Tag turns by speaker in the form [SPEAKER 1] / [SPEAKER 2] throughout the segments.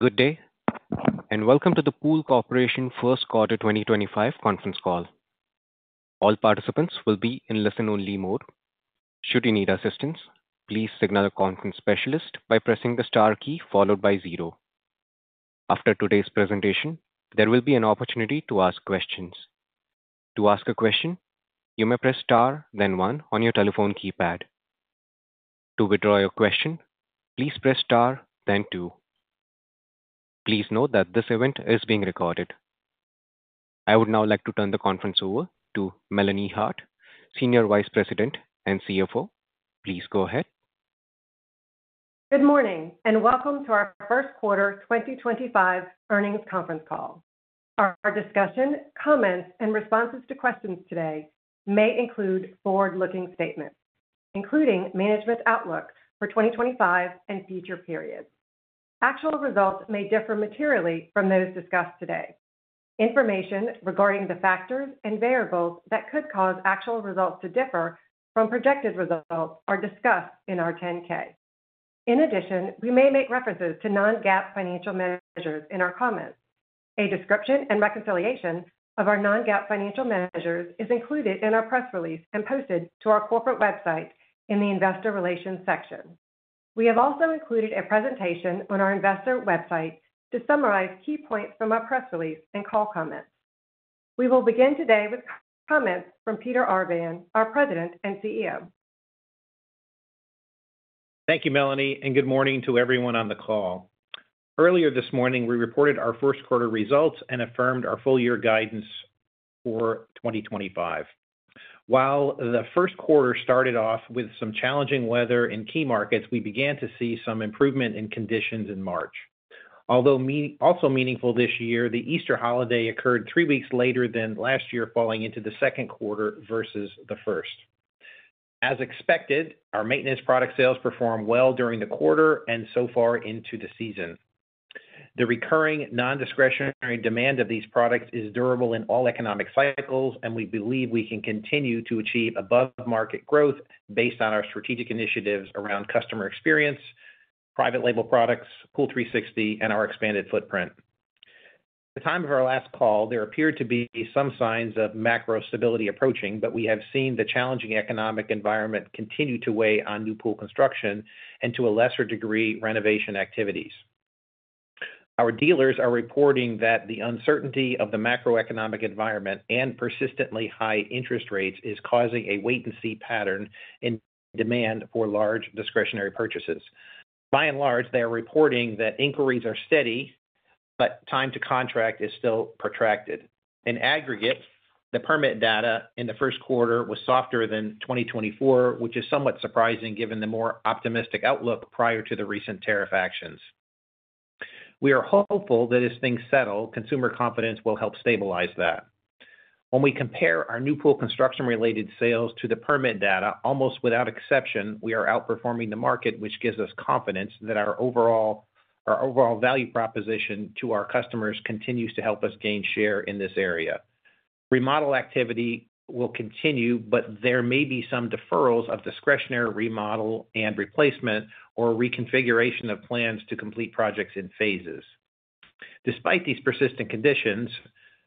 [SPEAKER 1] Good day, and welcome to the Pool Corporation first quarter 2025 conference call. All participants will be in listen-only mode. Should you need assistance, please signal a conference specialist by pressing the star key followed by zero. After today's presentation, there will be an opportunity to ask questions. To ask a question, you may press star, then one, on your telephone keypad. To withdraw your question, please press star, then two. Please note that this event is being recorded. I would now like to turn the conference over to Melanie Hart, Senior Vice President and CFO. Please go ahead.
[SPEAKER 2] Good morning, and welcome to our first quarter 2025 earnings conference call. Our discussion, comments, and responses to questions today may include forward-looking statements, including management's outlook for 2025 and future periods. Actual results may differ materially from those discussed today. Information regarding the factors and variables that could cause actual results to differ from projected results are discussed in our 10-K. In addition, we may make references to non-GAAP financial measures in our comments. A description and reconciliation of our non-GAAP financial measures is included in our press release and posted to our corporate website in the Investor Relations section. We have also included a presentation on our investor website to summarize key points from our press release and call comments. We will begin today with comments from Peter Arvan, our President and CEO.
[SPEAKER 3] Thank you, Melanie, and good morning to everyone on the call. Earlier this morning, we reported our first quarter results and affirmed our full-year guidance for 2025. While the first quarter started off with some challenging weather in key markets, we began to see some improvement in conditions in March. Also meaningful this year, the Easter holiday occurred three weeks later than last year, falling into the second quarter versus the first. As expected, our maintenance product sales performed well during the quarter and so far into the season. The recurring non-discretionary demand of these products is durable in all economic cycles, and we believe we can continue to achieve above-market growth based on our strategic initiatives around customer experience, private label products, POOL360, and our expanded footprint. At the time of our last call, there appeared to be some signs of macro stability approaching, but we have seen the challenging economic environment continue to weigh on new pool construction and, to a lesser degree, renovation activities. Our dealers are reporting that the uncertainty of the macroeconomic environment and persistently high interest rates is causing a wait-and-see pattern in demand for large discretionary purchases. By and large, they are reporting that inquiries are steady, but time to contract is still protracted. In aggregate, the permit data in the first quarter was softer than 2024, which is somewhat surprising given the more optimistic outlook prior to the recent tariff actions. We are hopeful that as things settle, consumer confidence will help stabilize that. When we compare our new pool construction-related sales to the permit data, almost without exception, we are outperforming the market, which gives us confidence that our overall value proposition to our customers continues to help us gain share in this area. Remodel activity will continue, but there may be some deferrals of discretionary remodel and replacement or reconfiguration of plans to complete projects in phases. Despite these persistent conditions,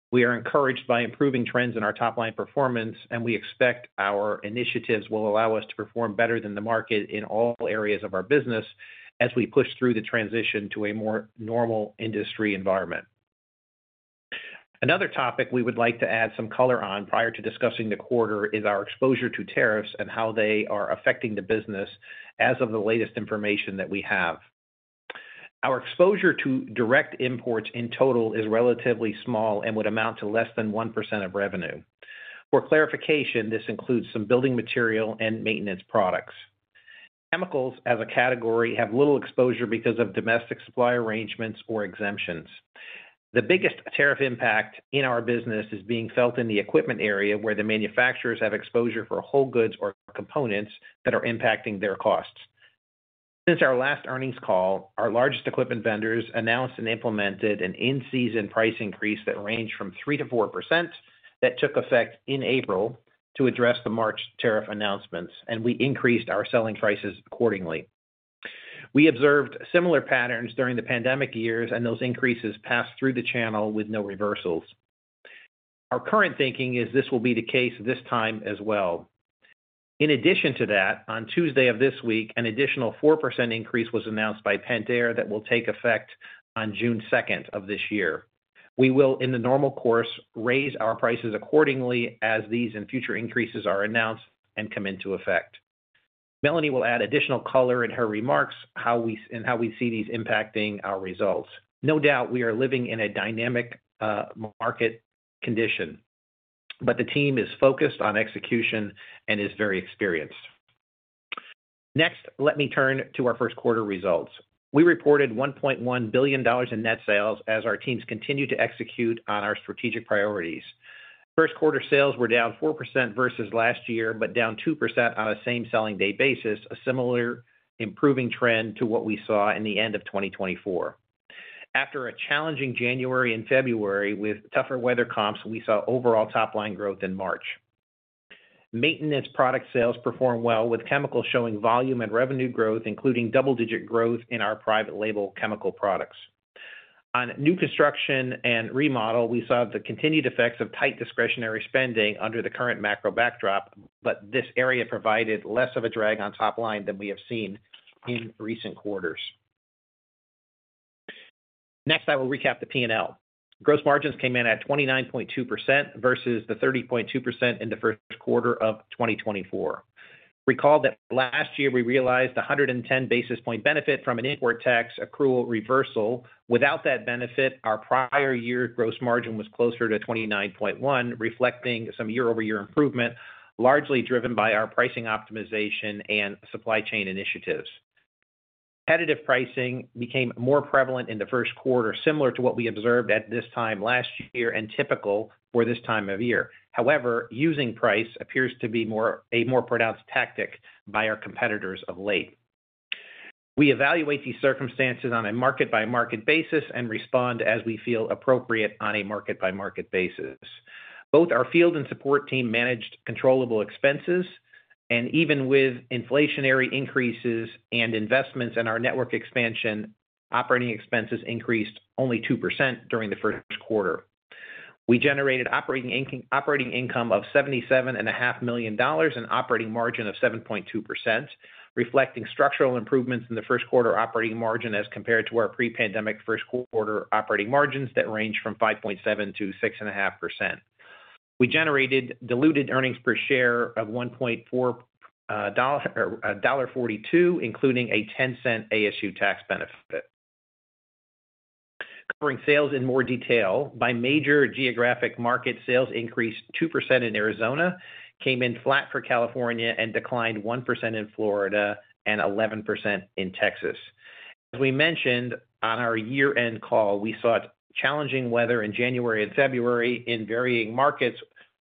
[SPEAKER 3] we are encouraged by improving trends in our top-line performance, and we expect our initiatives will allow us to perform better than the market in all areas of our business as we push through the transition to a more normal industry environment. Another topic we would like to add some color on prior to discussing the quarter is our exposure to tariffs and how they are affecting the business as of the latest information that we have. Our exposure to direct imports in total is relatively small and would amount to less than 1% of revenue. For clarification, this includes some building material and maintenance products. Chemicals, as a category, have little exposure because of domestic supply arrangements or exemptions. The biggest tariff impact in our business is being felt in the equipment area, where the manufacturers have exposure for whole goods or components that are impacting their costs. Since our last earnings call, our largest equipment vendors announced and implemented an in-season price increase that ranged from 3%-4% that took effect in April to address the March tariff announcements, and we increased our selling prices accordingly. We observed similar patterns during the pandemic years, and those increases passed through the channel with no reversals. Our current thinking is this will be the case this time as well. In addition to that, on Tuesday of this week, an additional 4% increase was announced by Pentair that will take effect on June 2nd of this year. We will, in the normal course, raise our prices accordingly as these and future increases are announced and come into effect. Melanie will add additional color in her remarks and how we see these impacting our results. No doubt, we are living in a dynamic market condition, but the team is focused on execution and is very experienced. Next, let me turn to our first quarter results. We reported $1.1 billion in net sales as our teams continued to execute on our strategic priorities. First quarter sales were down 4% versus last year, but down 2% on a same selling day basis, a similar improving trend to what we saw in the end of 2024. After a challenging January and February with tougher weather comps, we saw overall top-line growth in March. Maintenance product sales performed well, with chemicals showing volume and revenue growth, including double-digit growth in our private label chemical products. On new construction and remodel, we saw the continued effects of tight discretionary spending under the current macro backdrop, but this area provided less of a drag on top line than we have seen in recent quarters. Next, I will recap the P&L. Gross margins came in at 29.2% versus the 30.2% in the first quarter of 2024. Recall that last year we realized 110 basis point benefit from an inquiry tax accrual reversal. Without that benefit, our prior year gross margin was closer to 29.1%, reflecting some year-over-year improvement, largely driven by our pricing optimization and supply chain initiatives. Competitive pricing became more prevalent in the first quarter, similar to what we observed at this time last year and typical for this time of year. However, using price appears to be a more pronounced tactic by our competitors of late. We evaluate these circumstances on a market-by-market basis and respond as we feel appropriate on a market-by-market basis. Both our field and support team managed controllable expenses, and even with inflationary increases and investments in our network expansion, operating expenses increased only 2% during the first quarter. We generated operating income of $77.5 million and an operating margin of 7.2%, reflecting structural improvements in the first quarter operating margin as compared to our pre-pandemic first quarter operating margins that ranged from 5.7%-6.5%. We generated diluted earnings per share of $1.42, including a $0.10 ASU tax benefit. Covering sales in more detail, by major geographic markets, sales increased 2% in Arizona, came in flat for California, and declined 1% in Florida and 11% in Texas. As we mentioned on our year-end call, we saw challenging weather in January and February in varying markets,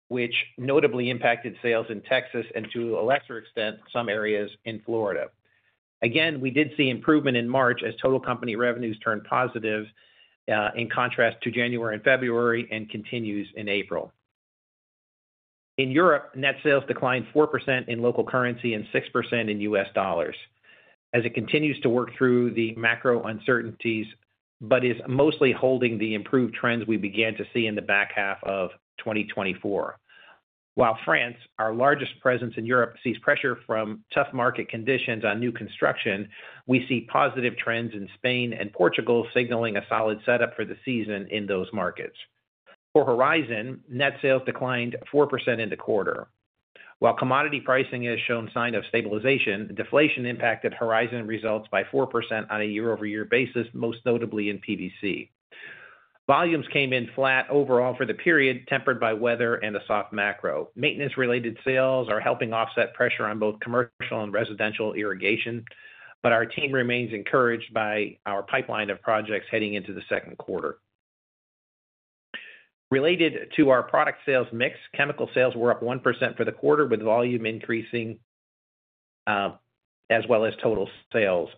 [SPEAKER 3] which notably impacted sales in Texas and, to a lesser extent, some areas in Florida. Again, we did see improvement in March as total company revenues turned positive in contrast to January and February and continues in April. In Europe, net sales declined 4% in local currency and 6% in U.S. dollars as it continues to work through the macro uncertainties but is mostly holding the improved trends we began to see in the back half of 2024. While France, our largest presence in Europe, sees pressure from tough market conditions on new construction, we see positive trends in Spain and Portugal signaling a solid setup for the season in those markets. For Horizon, net sales declined 4% in the quarter. While commodity pricing has shown signs of stabilization, deflation impacted Horizon results by 4% on a year-over-year basis, most notably in PVC. Volumes came in flat overall for the period, tempered by weather and a soft macro. Maintenance-related sales are helping offset pressure on both commercial and residential irrigation, but our team remains encouraged by our pipeline of projects heading into the second quarter. Related to our product sales mix, chemical sales were up 1% for the quarter, with volume increasing as well as total sales.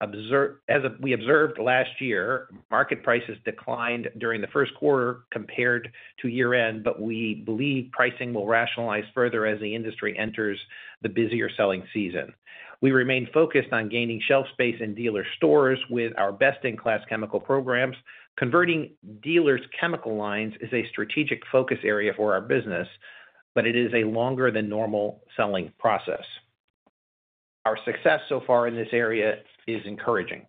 [SPEAKER 3] As we observed last year, market prices declined during the first quarter compared to year-end, but we believe pricing will rationalize further as the industry enters the busier selling season. We remain focused on gaining shelf space in dealer stores with our best-in-class chemical programs. Converting dealer's chemical lines is a strategic focus area for our business, but it is a longer-than-normal selling process. Our success so far in this area is encouraging.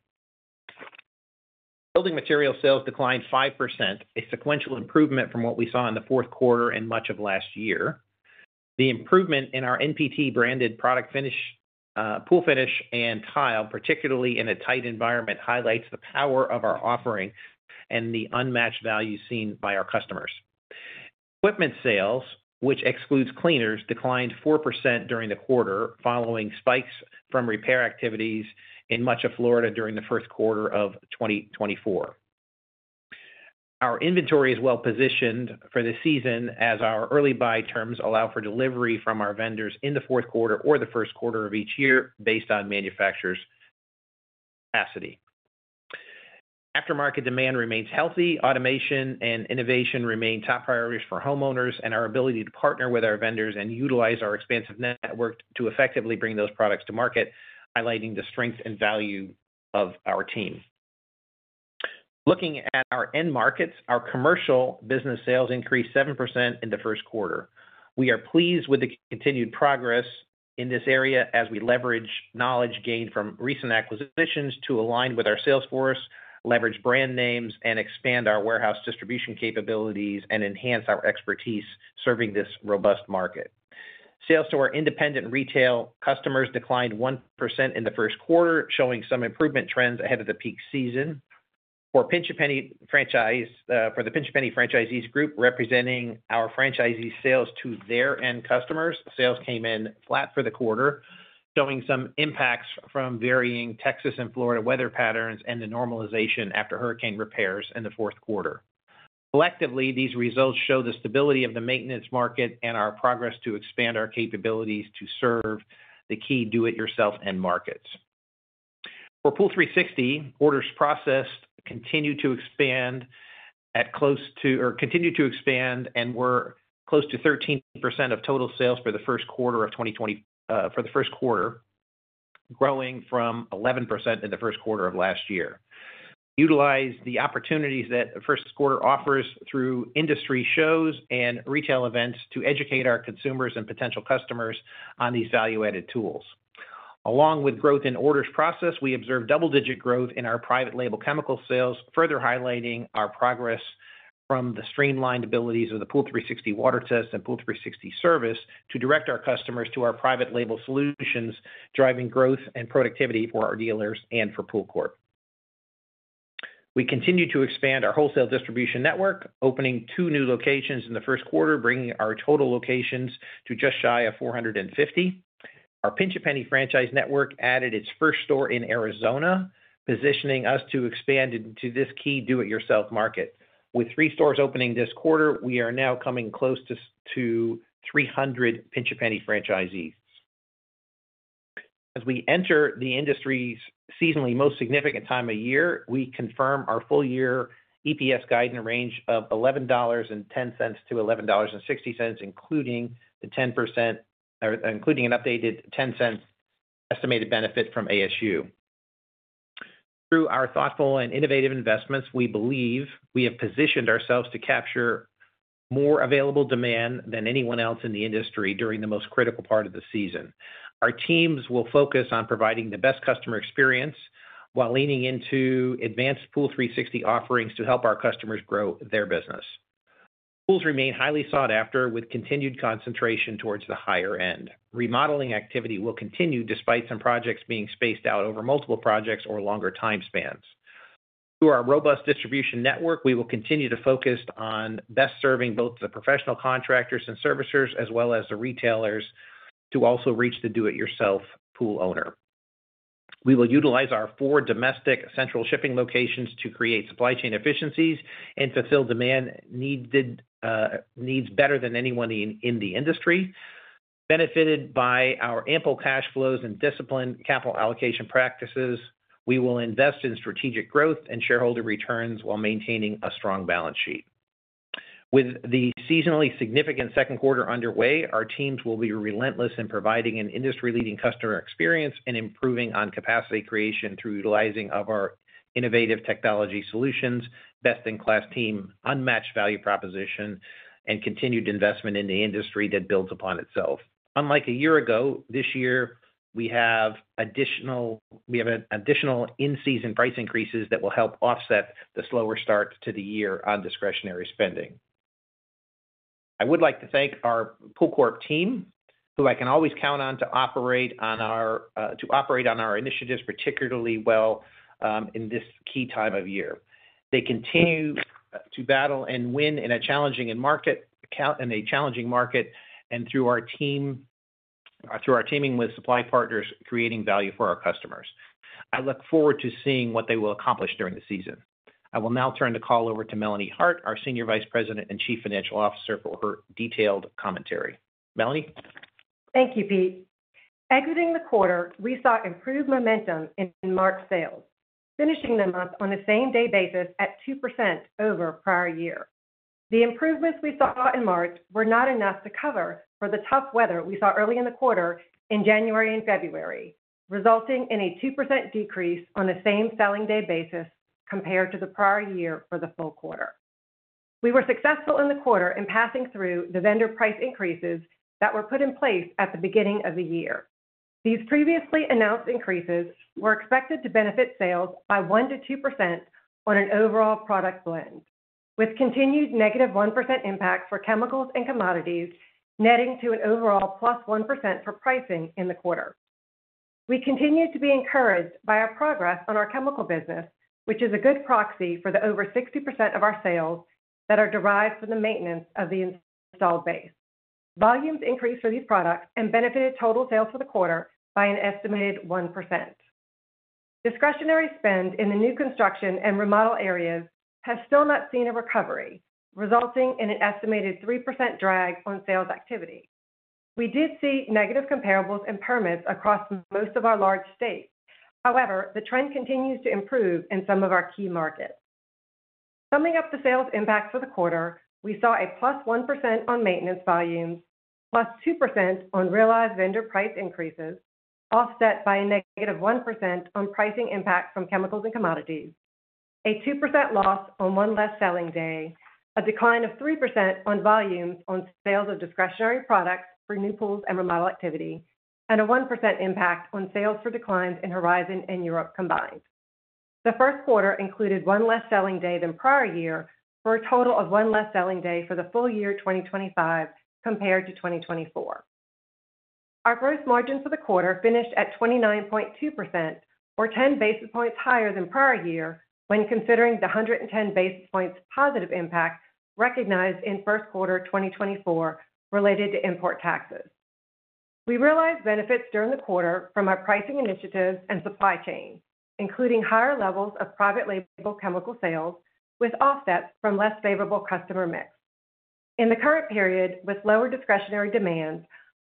[SPEAKER 3] Building material sales declined 5%, a sequential improvement from what we saw in the fourth quarter and much of last year. The improvement in our NPT-branded product finish, pool finish, and tile, particularly in a tight environment, highlights the power of our offering and the unmatched value seen by our customers. Equipment sales, which excludes cleaners, declined 4% during the quarter, following spikes from repair activities in much of Florida during the first quarter of 2024. Our inventory is well-positioned for the season as our early buy terms allow for delivery from our vendors in the fourth quarter or the first quarter of each year based on manufacturer's capacity. Aftermarket demand remains healthy. Automation and innovation remain top priorities for homeowners, and our ability to partner with our vendors and utilize our expansive network to effectively bring those products to market, highlighting the strength and value of our team. Looking at our end markets, our commercial business sales increased 7% in the first quarter. We are pleased with the continued progress in this area as we leverage knowledge gained from recent acquisitions to align with our salesforce, leverage brand names, and expand our warehouse distribution capabilities and enhance our expertise serving this robust market. Sales to our independent retail customers declined 1% in the first quarter, showing some improvement trends ahead of the peak season. For the Pinch A Penny franchisees group, representing our franchisee sales to their end customers, sales came in flat for the quarter, showing some impacts from varying Texas and Florida weather patterns and the normalization after hurricane repairs in the fourth quarter. Collectively, these results show the stability of the maintenance market and our progress to expand our capabilities to serve the key do-it-yourself end markets. For POOL360, orders processed continue to expand and were close to 13% of total sales for the first quarter, growing from 11% in the first quarter of last year. We utilize the opportunities that the first quarter offers through industry shows and retail events to educate our consumers and potential customers on these value-added tools. Along with growth in orders process, we observed double-digit growth in our private label chemical sales, further highlighting our progress from the streamlined abilities of the POOL360 WaterTest and POOL360 service to direct our customers to our private label solutions, driving growth and productivity for our dealers and for POOLCORP. We continue to expand our wholesale distribution network, opening two new locations in the first quarter, bringing our total locations to just shy of 450. Our Pinch A Penny franchise network added its first store in Arizona, positioning us to expand into this key do-it-yourself market. With three stores opening this quarter, we are now coming close to 300 Pinch A Penny franchisees. As we enter the industry's seasonally most significant time of year, we confirm our full-year EPS guidance range of $11.10-$11.60, including the 10% or including an updated $0.10 estimated benefit from ASU. Through our thoughtful and innovative investments, we believe we have positioned ourselves to capture more available demand than anyone else in the industry during the most critical part of the season. Our teams will focus on providing the best customer experience while leaning into advanced POOL360 offerings to help our customers grow their business. Pools remain highly sought after with continued concentration towards the higher end. Remodeling activity will continue despite some projects being spaced out over multiple projects or longer time spans. Through our robust distribution network, we will continue to focus on best serving both the professional contractors and servicers as well as the retailers to also reach the do-it-yourself pool owner. We will utilize our four domestic central shipping locations to create supply chain efficiencies and fulfill demand needs better than anyone in the industry. Benefited by our ample cash flows and disciplined capital allocation practices, we will invest in strategic growth and shareholder returns while maintaining a strong balance sheet. With the seasonally significant second quarter underway, our teams will be relentless in providing an industry-leading customer experience and improving on capacity creation through utilizing our innovative technology solutions, best-in-class team, unmatched value proposition, and continued investment in the industry that builds upon itself. Unlike a year ago, this year we have additional in-season price increases that will help offset the slower start to the year on discretionary spending. I would like to thank our POOLCORP team, who I can always count on to operate on our initiatives particularly well in this key time of year. They continue to battle and win in a challenging market and through our teaming with supply partners, creating value for our customers. I look forward to seeing what they will accomplish during the season. I will now turn the call over to Melanie Hart, our Senior Vice President and Chief Financial Officer, for her detailed commentary. Melanie?
[SPEAKER 2] Thank you, Pete. Exiting the quarter, we saw improved momentum in March sales, finishing the month on the same day basis at 2% over prior year. The improvements we saw in March were not enough to cover for the tough weather we saw early in the quarter in January and February, resulting in a 2% decrease on the same selling day basis compared to the prior year for the full quarter. We were successful in the quarter in passing through the vendor price increases that were put in place at the beginning of the year. These previously announced increases were expected to benefit sales by 1%-2% on an overall product blend, with continued -1% impacts for chemicals and commodities, netting to an overall +1% for pricing in the quarter. We continue to be encouraged by our progress on our chemical business, which is a good proxy for the over 60% of our sales that are derived from the maintenance of the installed base. Volumes increased for these products and benefited total sales for the quarter by an estimated 1%. Discretionary spend in the new construction and remodel areas has still not seen a recovery, resulting in an estimated 3% drag on sales activity. We did see negative comparables and permits across most of our large states. However, the trend continues to improve in some of our key markets. Summing up the sales impacts for the quarter, we saw a +1% on maintenance volumes, +2% on realized vendor price increases, offset by a -1% on pricing impacts from chemicals and commodities, a 2% loss on one less selling day, a decline of 3% on volumes on sales of discretionary products for new pools and remodel activity, and a 1% impact on sales for declines in Horizon and Europe combined. The first quarter included one less selling day than prior year for a total of one less selling day for the full year 2025 compared to 2024. Our gross margin for the quarter finished at 29.2%, or 10 basis points higher than prior year when considering the 110 basis points positive impact recognized in first quarter 2024 related to import taxes. We realized benefits during the quarter from our pricing initiatives and supply chain, including higher levels of private label chemical sales with offsets from less favorable customer mix. In the current period, with lower discretionary demands,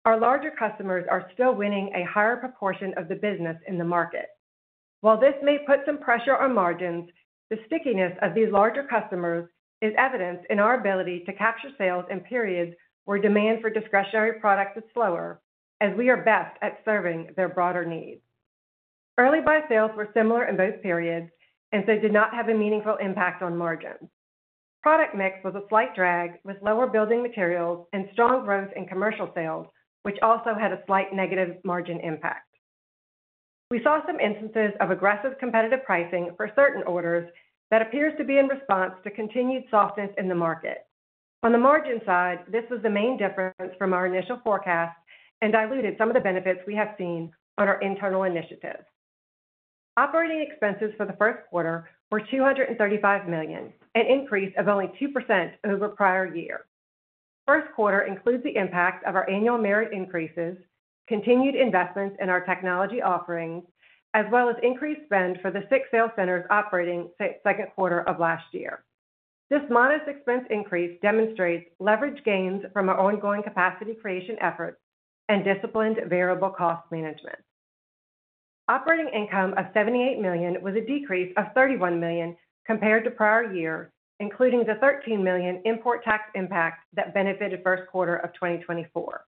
[SPEAKER 2] our larger customers are still winning a higher proportion of the business in the market. While this may put some pressure on margins, the stickiness of these larger customers is evidenced in our ability to capture sales in periods where demand for discretionary products is slower as we are best at serving their broader needs. Early buy sales were similar in both periods and so did not have a meaningful impact on margins. Product mix was a slight drag with lower building materials and strong growth in commercial sales, which also had a slight negative margin impact. We saw some instances of aggressive competitive pricing for certain orders that appears to be in response to continued softness in the market. On the margin side, this was the main difference from our initial forecast and diluted some of the benefits we have seen on our internal initiatives. Operating expenses for the first quarter were $235 million, an increase of only 2% over prior year. First quarter includes the impact of our annual merit increases, continued investments in our technology offerings, as well as increased spend for the six sales centers operating second quarter of last year. This modest expense increase demonstrates leveraged gains from our ongoing capacity creation efforts and disciplined variable cost management. Operating income of $78 million was a decrease of $31 million compared to prior year, including the $13 million import tax impact that benefited first quarter of 2024.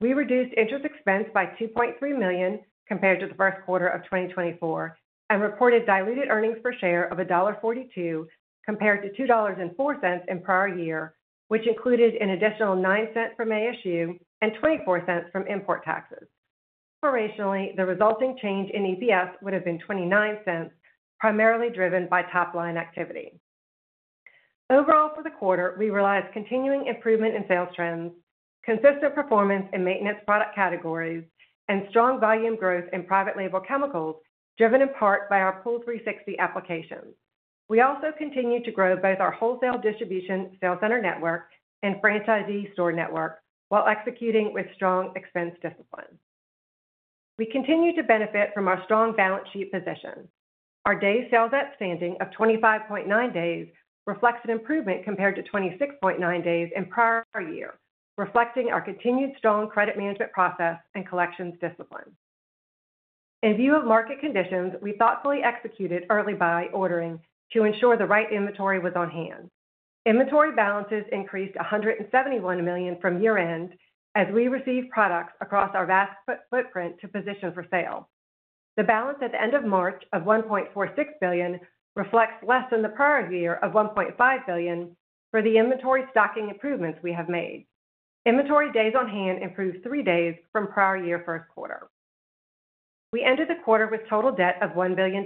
[SPEAKER 2] We reduced interest expense by $2.3 million compared to the first quarter of 2024 and reported diluted earnings per share of $1.42 compared to $2.04 in prior year, which included an additional $0.09 from ASU and $0.24 from import taxes. Operationally, the resulting change in EPS would have been $0.29, primarily driven by top line activity. Overall, for the quarter, we realized continuing improvement in sales trends, consistent performance in maintenance product categories, and strong volume growth in private label chemicals driven in part by our POOL360 applications. We also continue to grow both our wholesale distribution sales center network and franchisee store network while executing with strong expense discipline. We continue to benefit from our strong balance sheet position. Our day sales outstanding of 25.9 days reflects an improvement compared to 26.9 days in prior year, reflecting our continued strong credit management process and collections discipline. In view of market conditions, we thoughtfully executed early buy ordering to ensure the right inventory was on hand. Inventory balances increased $171 million from year-end as we received products across our vast footprint to position for sale. The balance at the end of March of $1.46 billion reflects less than the prior year of $1.5 billion for the inventory stocking improvements we have made. Inventory days on hand improved three days from prior year first quarter. We ended the quarter with total debt of $1 billion.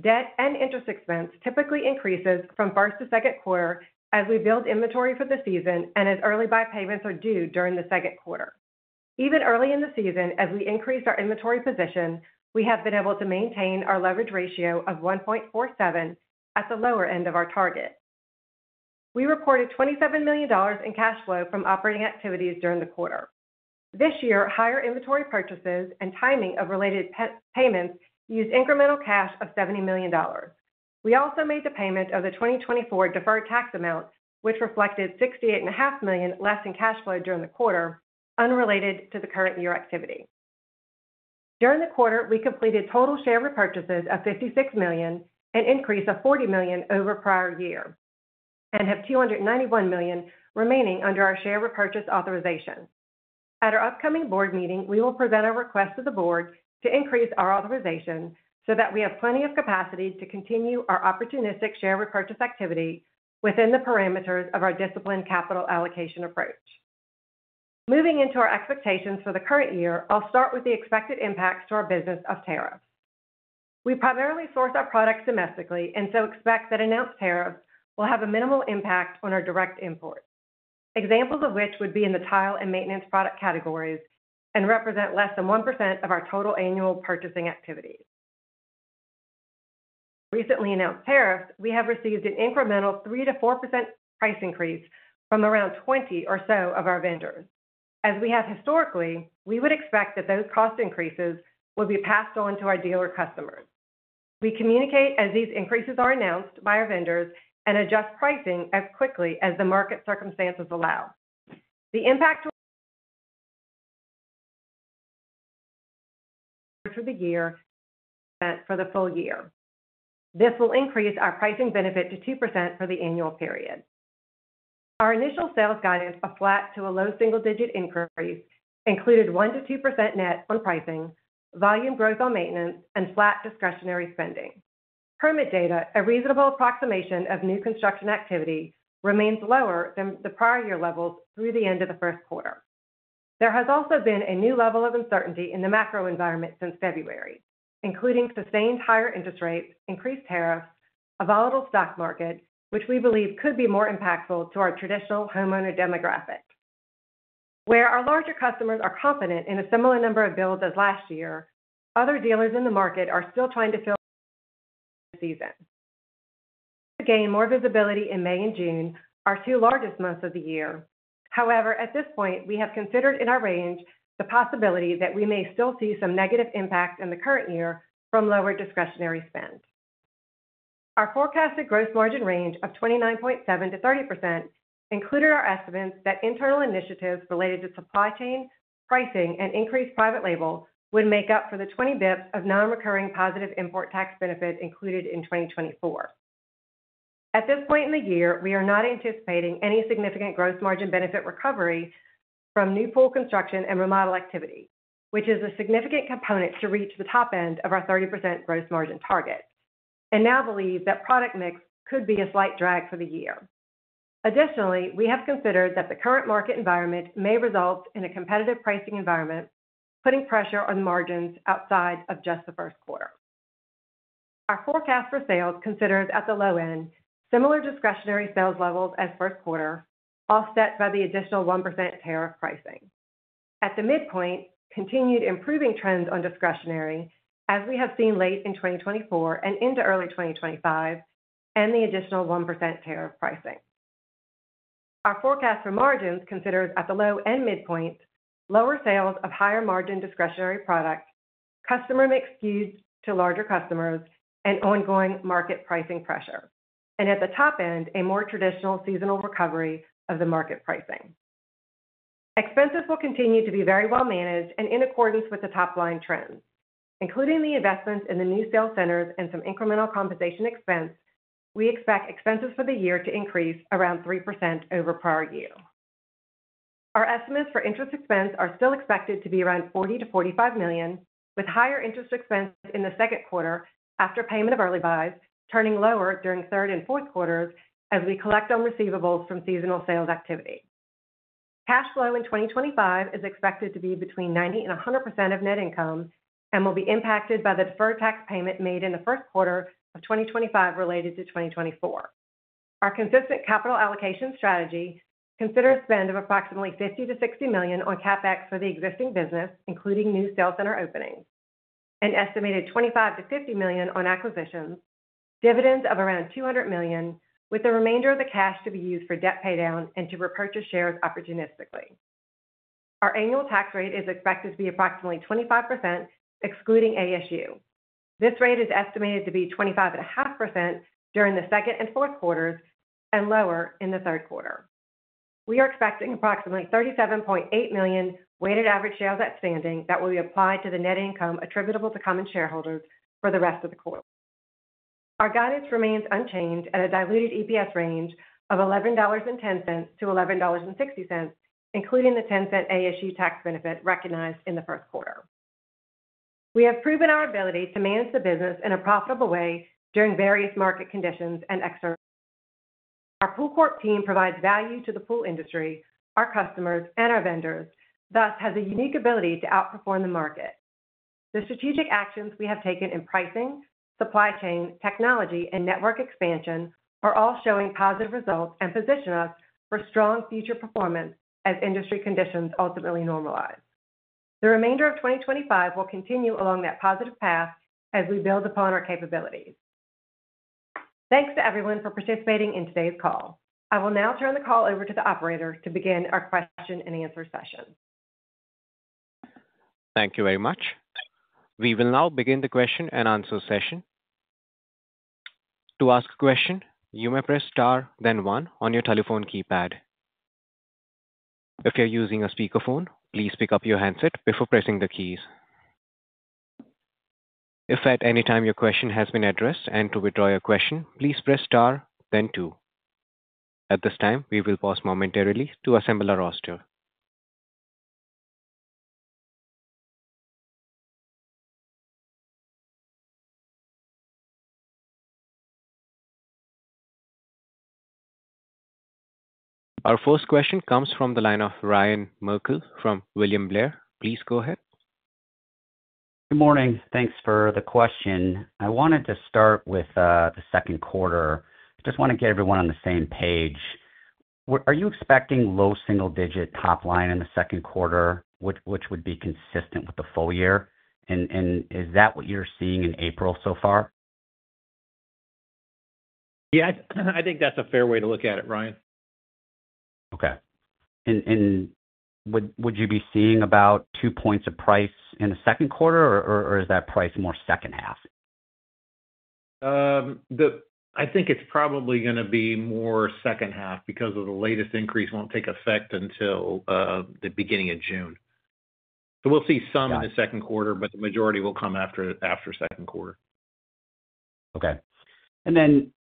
[SPEAKER 2] Debt and interest expense typically increases from first to second quarter as we build inventory for the season and as early buy payments are due during the second quarter. Even early in the season, as we increased our inventory position, we have been able to maintain our leverage ratio of 1.47 at the lower end of our target. We reported $27 million in cash flow from operating activities during the quarter. This year, higher inventory purchases and timing of related payments used incremental cash of $70 million. We also made the payment of the 2024 deferred tax amount, which reflected $68.5 million less in cash flow during the quarter, unrelated to the current year activity. During the quarter, we completed total share repurchases of $56 million, an increase of $40 million over prior year, and have $291 million remaining under our share repurchase authorization. At our upcoming board meeting, we will present our request to the board to increase our authorization so that we have plenty of capacity to continue our opportunistic share repurchase activity within the parameters of our disciplined capital allocation approach. Moving into our expectations for the current year, I'll start with the expected impacts to our business of tariffs. We primarily source our products domestically and so expect that announced tariffs will have a minimal impact on our direct imports, examples of which would be in the tile and maintenance product categories and represent less than 1% of our total annual purchasing activity. Recently announced tariffs, we have received an incremental 3%-4% price increase from around 20 or so of our vendors. As we have historically, we would expect that those cost increases would be passed on to our dealer customers. We communicate as these increases are announced by our vendors and adjust pricing as quickly as the market circumstances allow. The impact for the year for the full year. This will increase our pricing benefit to 2% for the annual period. Our initial sales guidance of flat to a low single-digit increase included 1%-2% net on pricing, volume growth on maintenance, and flat discretionary spending. Permit data, a reasonable approximation of new construction activity, remains lower than the prior year levels through the end of the first quarter. There has also been a new level of uncertainty in the macro environment since February, including sustained higher interest rates, increased tariffs, a volatile stock market, which we believe could be more impactful to our traditional homeowner demographic. Where our larger customers are confident in a similar number of builds as last year, other dealers in the market are still trying to fill the season. We gained more visibility in May and June, our two largest months of the year. However, at this point, we have considered in our range the possibility that we may still see some negative impact in the current year from lower discretionary spend. Our forecasted gross margin range of 29.7%-30% included our estimates that internal initiatives related to supply chain, pricing, and increased private label would make up for the 20 bps of non-recurring positive import tax benefit included in 2024. At this point in the year, we are not anticipating any significant gross margin benefit recovery from new pool construction and remodel activity, which is a significant component to reach the top end of our 30% gross margin target, and now believe that product mix could be a slight drag for the year. Additionally, we have considered that the current market environment may result in a competitive pricing environment, putting pressure on the margins outside of just the first quarter. Our forecast for sales considers at the low end similar discretionary sales levels as first quarter, offset by the additional 1% tariff pricing. At the midpoint, continued improving trends on discretionary, as we have seen late in 2024 and into early 2025, and the additional 1% tariff pricing. Our forecast for margins considers at the low and midpoint, lower sales of higher margin discretionary product, customer mix skewed to larger customers, and ongoing market pricing pressure, and at the top end, a more traditional seasonal recovery of the market pricing. Expenses will continue to be very well managed and in accordance with the top line trends, including the investments in the new sales centers and some incremental compensation expense. We expect expenses for the year to increase around 3% over prior year. Our estimates for interest expense are still expected to be around $40 million-$45 million, with higher interest expense in the second quarter after payment of early buys, turning lower during third and fourth quarters as we collect on receivables from seasonal sales activity. Cash flow in 2025 is expected to be between 90% and 100% of net income and will be impacted by the deferred tax payment made in the first quarter of 2025 related to 2024. Our consistent capital allocation strategy considers spend of approximately $50 million-$60 million on CapEx for the existing business, including new sales center openings, an estimated $25 million-$50 million on acquisitions, dividends of around $200 million, with the remainder of the cash to be used for debt paydown and to repurchase shares opportunistically. Our annual tax rate is expected to be approximately 25% excluding ASU. This rate is estimated to be 25.5% during the second and fourth quarters and lower in the third quarter. We are expecting approximately 37.8 million weighted average shares outstanding that will be applied to the net income attributable to common shareholders for the rest of the quarter. Our guidance remains unchanged at a diluted EPS range of $11.10-$11.60, including the $0.10 ASU tax benefit recognized in the first quarter. We have proven our ability to manage the business in a profitable way during various market conditions and external factors. Our POOLCORP team provides value to the pool industry, our customers, and our vendors, thus has a unique ability to outperform the market. The strategic actions we have taken in pricing, supply chain, technology, and network expansion are all showing positive results and position us for strong future performance as industry conditions ultimately normalize. The remainder of 2025 will continue along that positive path as we build upon our capabilities. Thanks to everyone for participating in today's call. I will now turn the call over to the operator to begin our Q&A session.
[SPEAKER 1] Thank you very much. We will now begin the Q&A session. To ask a question, you may press star, then one on your telephone keypad. If you're using a speakerphone, please pick up your handset before pressing the keys. If at any time your question has been addressed and to withdraw your question, please press star, then two. At this time, we will pause momentarily to assemble our roster. Our first question comes from the line of Ryan Merkel from William Blair. Please go ahead.
[SPEAKER 4] Good morning. Thanks for the question. I wanted to start with the second quarter. I just want to get everyone on the same page. Are you expecting low single-digit top line in the second quarter, which would be consistent with the full year? And is that what you're seeing in April so far?
[SPEAKER 3] Yeah, I think that's a fair way to look at it, Ryan.
[SPEAKER 4] Okay. Would you be seeing about two points of price in the second quarter, or is that price more second half?
[SPEAKER 3] I think it's probably going to be more second half because the latest increase won't take effect until the beginning of June. We will see some in the second quarter, but the majority will come after second quarter.
[SPEAKER 4] Okay.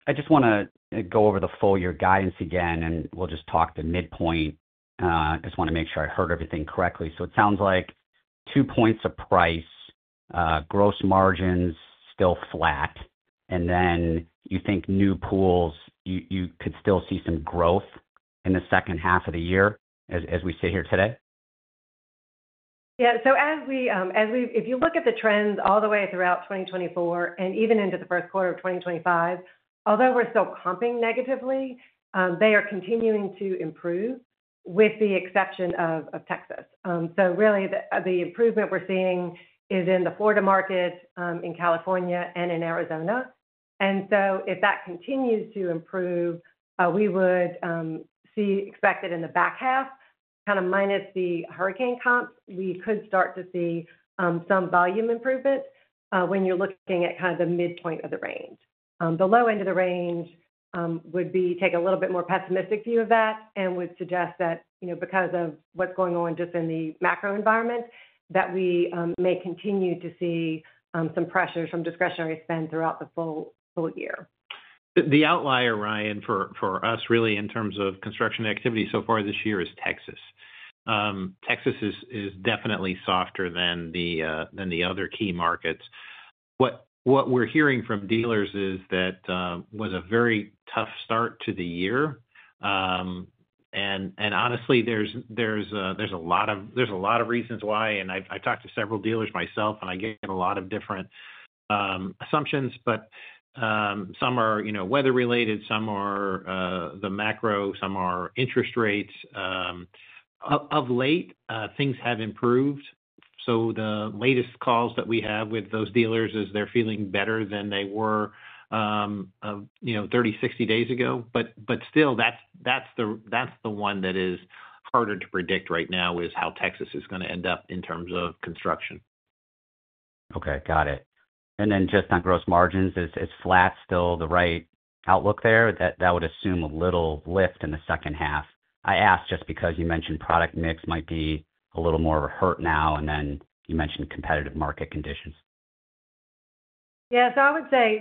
[SPEAKER 4] I just want to go over the full year guidance again, and we will just talk the midpoint. I just want to make sure I heard everything correctly. It sounds like two points of price, gross margins still flat, and then you think new pools, you could still see some growth in the second half of the year as we sit here today?
[SPEAKER 2] Yeah. If you look at the trends all the way throughout 2024 and even into the first quarter of 2025, although we're still comping negatively, they are continuing to improve with the exception of Texas. Really, the improvement we're seeing is in the Florida market, in California, and in Arizona. If that continues to improve, we would see expected in the back half, kind of minus the hurricane comps, we could start to see some volume improvement when you're looking at kind of the midpoint of the range. The low end of the range would take a little bit more pessimistic view of that and would suggest that because of what's going on just in the macro environment, we may continue to see some pressures from discretionary spend throughout the full year.
[SPEAKER 3] The outlier, Ryan, for us really in terms of construction activity so far this year is Texas. Texas is definitely softer than the other key markets. What we're hearing from dealers is that it was a very tough start to the year. Honestly, there's a lot of reasons why, and I've talked to several dealers myself, and I get a lot of different assumptions, but some are weather-related, some are the macro, some are interest rates. Of late, things have improved. The latest calls that we have with those dealers is they're feeling better than they were 30, 60 days ago. Still, that's the one that is harder to predict right now is how Texas is going to end up in terms of construction.
[SPEAKER 4] Okay. Got it. And then just on gross margins, is flat still, the right outlook there. That would assume a little lift in the second half. I asked just because you mentioned product mix might be a little more hurt now, and then you mentioned competitive market conditions.
[SPEAKER 2] Yeah. I would say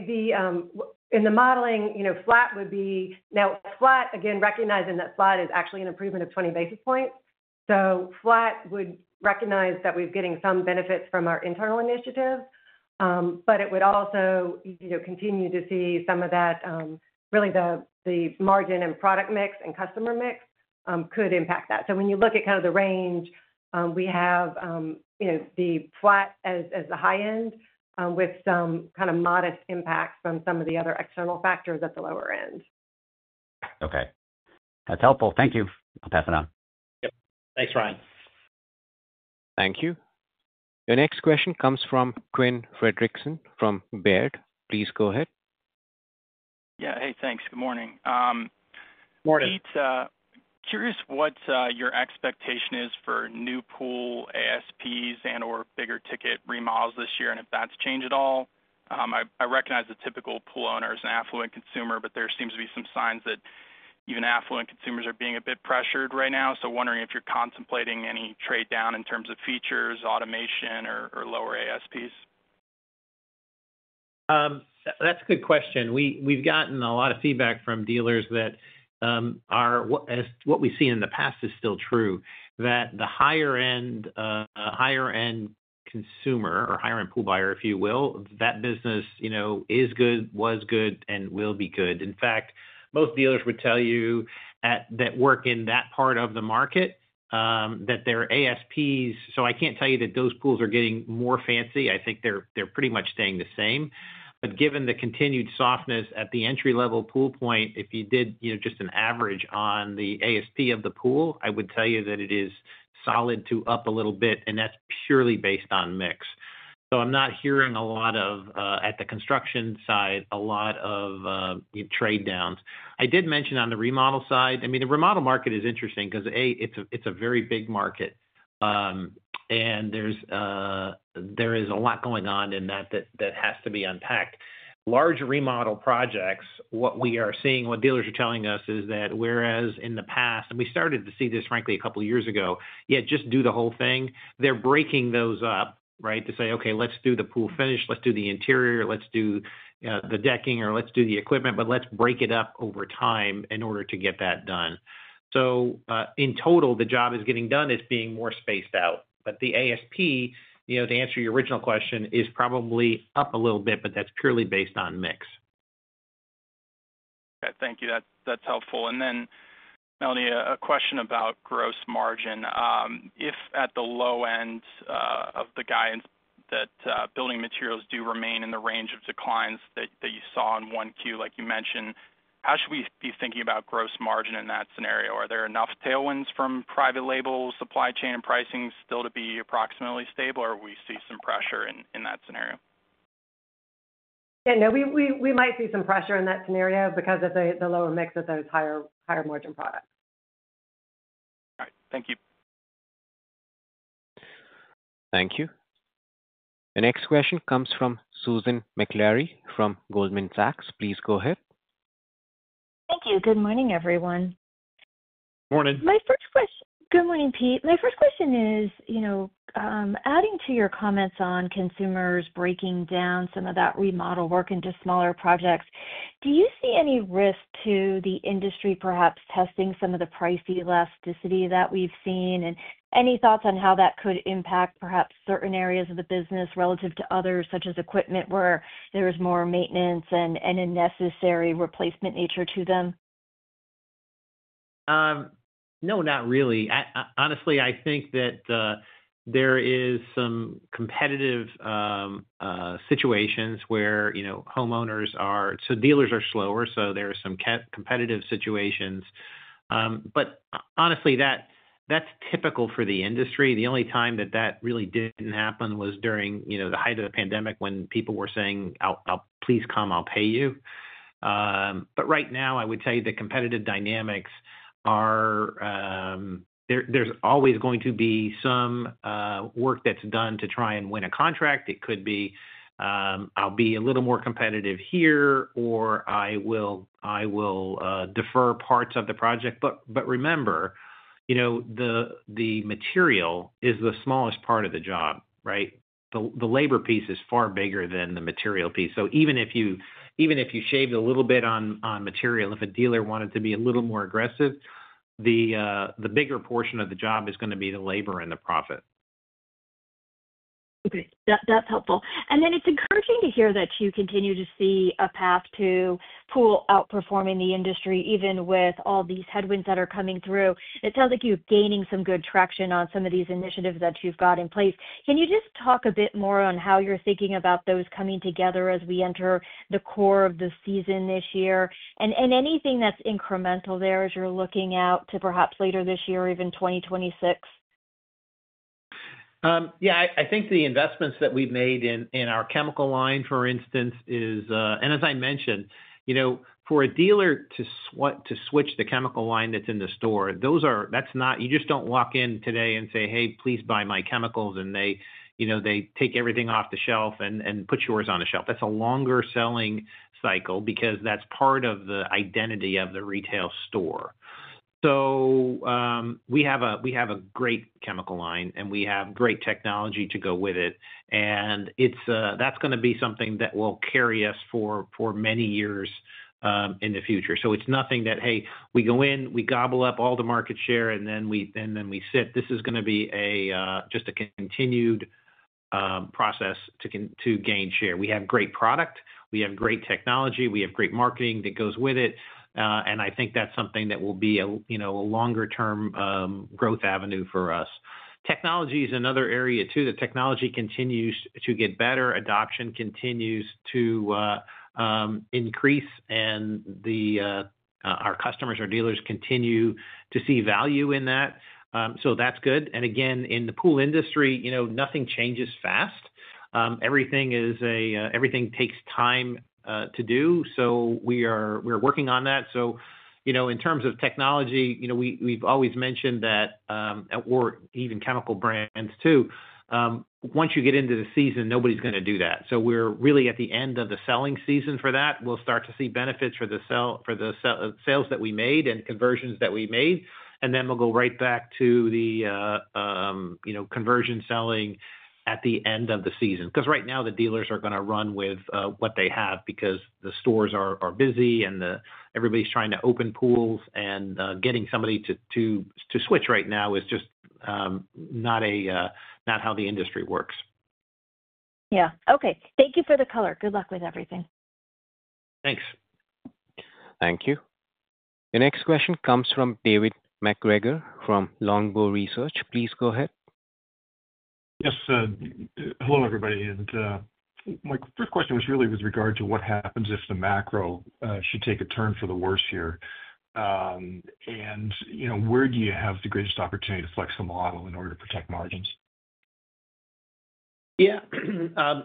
[SPEAKER 2] in the modeling, flat would be now flat, again, recognizing that flat is actually an improvement of 20 basis points. Flat would recognize that we're getting some benefits from our internal initiatives, but it would also continue to see some of that, really the margin and product mix and customer mix could impact that. When you look at kind of the range, we have the flat as the high end with some kind of modest impact from some of the other external factors at the lower end.
[SPEAKER 4] Okay. That's helpful. Thank you. I'll pass it on.
[SPEAKER 3] Yep. Thanks, Ryan.
[SPEAKER 1] Thank you. The next question comes from Quinn Fredrickson from Baird. Please go ahead.
[SPEAKER 5] Yeah. Hey, thanks. Good morning. Peter, curious what your expectation is for new pool ASPs and/or bigger ticket remodels this year and if that's changed at all. I recognize the typical pool owner is an affluent consumer, but there seems to be some signs that even affluent consumers are being a bit pressured right now. I am wondering if you're contemplating any trade-down in terms of features, automation, or lower ASPs.
[SPEAKER 3] That's a good question. We've gotten a lot of feedback from dealers that what we've seen in the past is still true, that the higher-end consumer or higher-end pool buyer, if you will, that business is good, was good, and will be good. In fact, most dealers would tell you that work in that part of the market, that their ASPs so I can't tell you that those pools are getting more fancy. I think they're pretty much staying the same. Given the continued softness at the entry-level pool point, if you did just an average on the ASP of the pool, I would tell you that it is solid to up a little bit, and that's purely based on mix. I'm not hearing a lot of, at the construction side, a lot of trade-downs. I did mention on the remodel side, I mean, the remodel market is interesting because, I mean, it's a very big market, and there is a lot going on in that that has to be unpacked. Large remodel projects, what we are seeing, what dealers are telling us is that whereas in the past, and we started to see this, frankly, a couple of years ago, yeah, just do the whole thing, they're breaking those up, right, to say, "Okay, let's do the pool finish, let's do the interior, let's do the decking, or let's do the equipment, but let's break it up over time in order to get that done." In total, the job is getting done as being more spaced out. The ASP, to answer your original question, is probably up a little bit, but that's purely based on mix.
[SPEAKER 5] Okay. Thank you. That's helpful. Melanie, a question about gross margin. If at the low end of the guidance that building materials do remain in the range of declines that you saw in 1Q, like you mentioned, how should we be thinking about gross margin in that scenario? Are there enough tailwinds from private label, supply chain, and pricing still to be approximately stable, or will we see some pressure in that scenario?
[SPEAKER 2] Yeah. No, we might see some pressure in that scenario because of the lower mix of those higher-margin products.
[SPEAKER 5] All right. Thank you.
[SPEAKER 1] Thank you. The next question comes from Susan Maklari from Goldman Sachs. Please go ahead.
[SPEAKER 6] Thank you. Good morning, everyone.
[SPEAKER 3] Morning.
[SPEAKER 6] My first question. Good morning, Pete. My first question is, adding to your comments on consumers breaking down some of that remodel work into smaller projects, do you see any risk to the industry perhaps testing some of the price elasticity that we've seen? Any thoughts on how that could impact perhaps certain areas of the business relative to others, such as equipment where there is more maintenance and a necessary replacement nature to them?
[SPEAKER 3] No, not really. Honestly, I think that there is some competitive situations where homeowners are, so dealers are slower, so there are some competitive situations. Honestly, that's typical for the industry. The only time that that really did not happen was during the height of the pandemic when people were saying, "Please come, I'll pay you." Right now, I would tell you the competitive dynamics are there is always going to be some work that is done to try and win a contract. It could be, "I'll be a little more competitive here," or "I will defer parts of the project." Remember, the material is the smallest part of the job, right? The labor piece is far bigger than the material piece. Even if you shaved a little bit on material, if a dealer wanted to be a little more aggressive, the bigger portion of the job is going to be the labor and the profit.
[SPEAKER 6] Okay. That is helpful. It is encouraging to hear that you continue to see a path to Pool outperforming the industry, even with all these headwinds that are coming through. It sounds like you're gaining some good traction on some of these initiatives that you've got in place. Can you just talk a bit more on how you're thinking about those coming together as we enter the core of the season this year? Is there anything that's incremental there as you're looking out to perhaps later this year or even 2026?
[SPEAKER 3] Yeah. I think the investments that we've made in our chemical line, for instance, is and as I mentioned, for a dealer to switch the chemical line that's in the store, that's not you just don't walk in today and say, "Hey, please buy my chemicals," and they take everything off the shelf and put yours on the shelf. That's a longer selling cycle because that's part of the identity of the retail store. We have a great chemical line, and we have great technology to go with it. That is going to be something that will carry us for many years in the future. It is nothing that, "Hey, we go in, we gobble up all the market share, and then we sit." This is going to be just a continued process to gain share. We have great product. We have great technology. We have great marketing that goes with it. I think that is something that will be a longer-term growth avenue for us. Technology is another area too. The technology continues to get better. Adoption continues to increase, and our customers or dealers continue to see value in that. That is good. Again, in the pool industry, nothing changes fast. Everything takes time to do. We are working on that. In terms of technology, we have always mentioned that, or even chemical brands too, once you get into the season, nobody is going to do that. We are really at the end of the selling season for that. We will start to see benefits for the sales that we made and conversions that we made. We will go right back to the conversion selling at the end of the season. Right now, the dealers are going to run with what they have because the stores are busy, and everybody is trying to open pools. Getting somebody to switch right now is just not how the industry works.
[SPEAKER 6] Yeah. Okay. Thank you for the color. Good luck with everything.
[SPEAKER 3] Thanks.
[SPEAKER 1] Thank you. The next question comes from David MacGregor from Longbow Research. Please go ahead.
[SPEAKER 7] Yes. Hello, everybody. My first question was really with regard to what happens if the macro should take a turn for the worse here. Where do you have the greatest opportunity to flex the model in order to protect margins?
[SPEAKER 3] Yeah.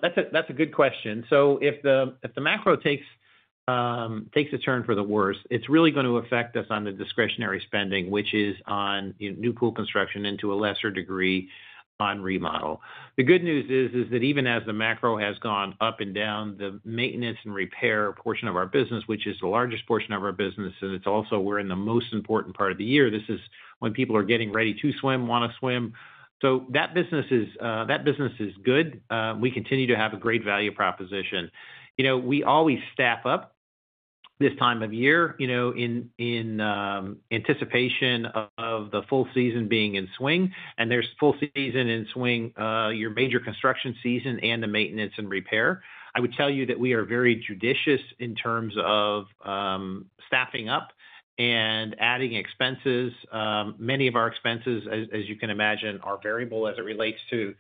[SPEAKER 3] That's a good question. If the macro takes a turn for the worse, it's really going to affect us on the discretionary spending, which is on new pool construction and to a lesser degree on remodel. The good news is that even as the macro has gone up and down, the maintenance and repair portion of our business, which is the largest portion of our business, and it's also we're in the most important part of the year. This is when people are getting ready to swim, want to swim. That business is good. We continue to have a great value proposition. We always staff up this time of year in anticipation of the full season being in swing. There is full season in swing, your major construction season, and the maintenance and repair. I would tell you that we are very judicious in terms of staffing up and adding expenses. Many of our expenses, as you can imagine, are variable as it relates to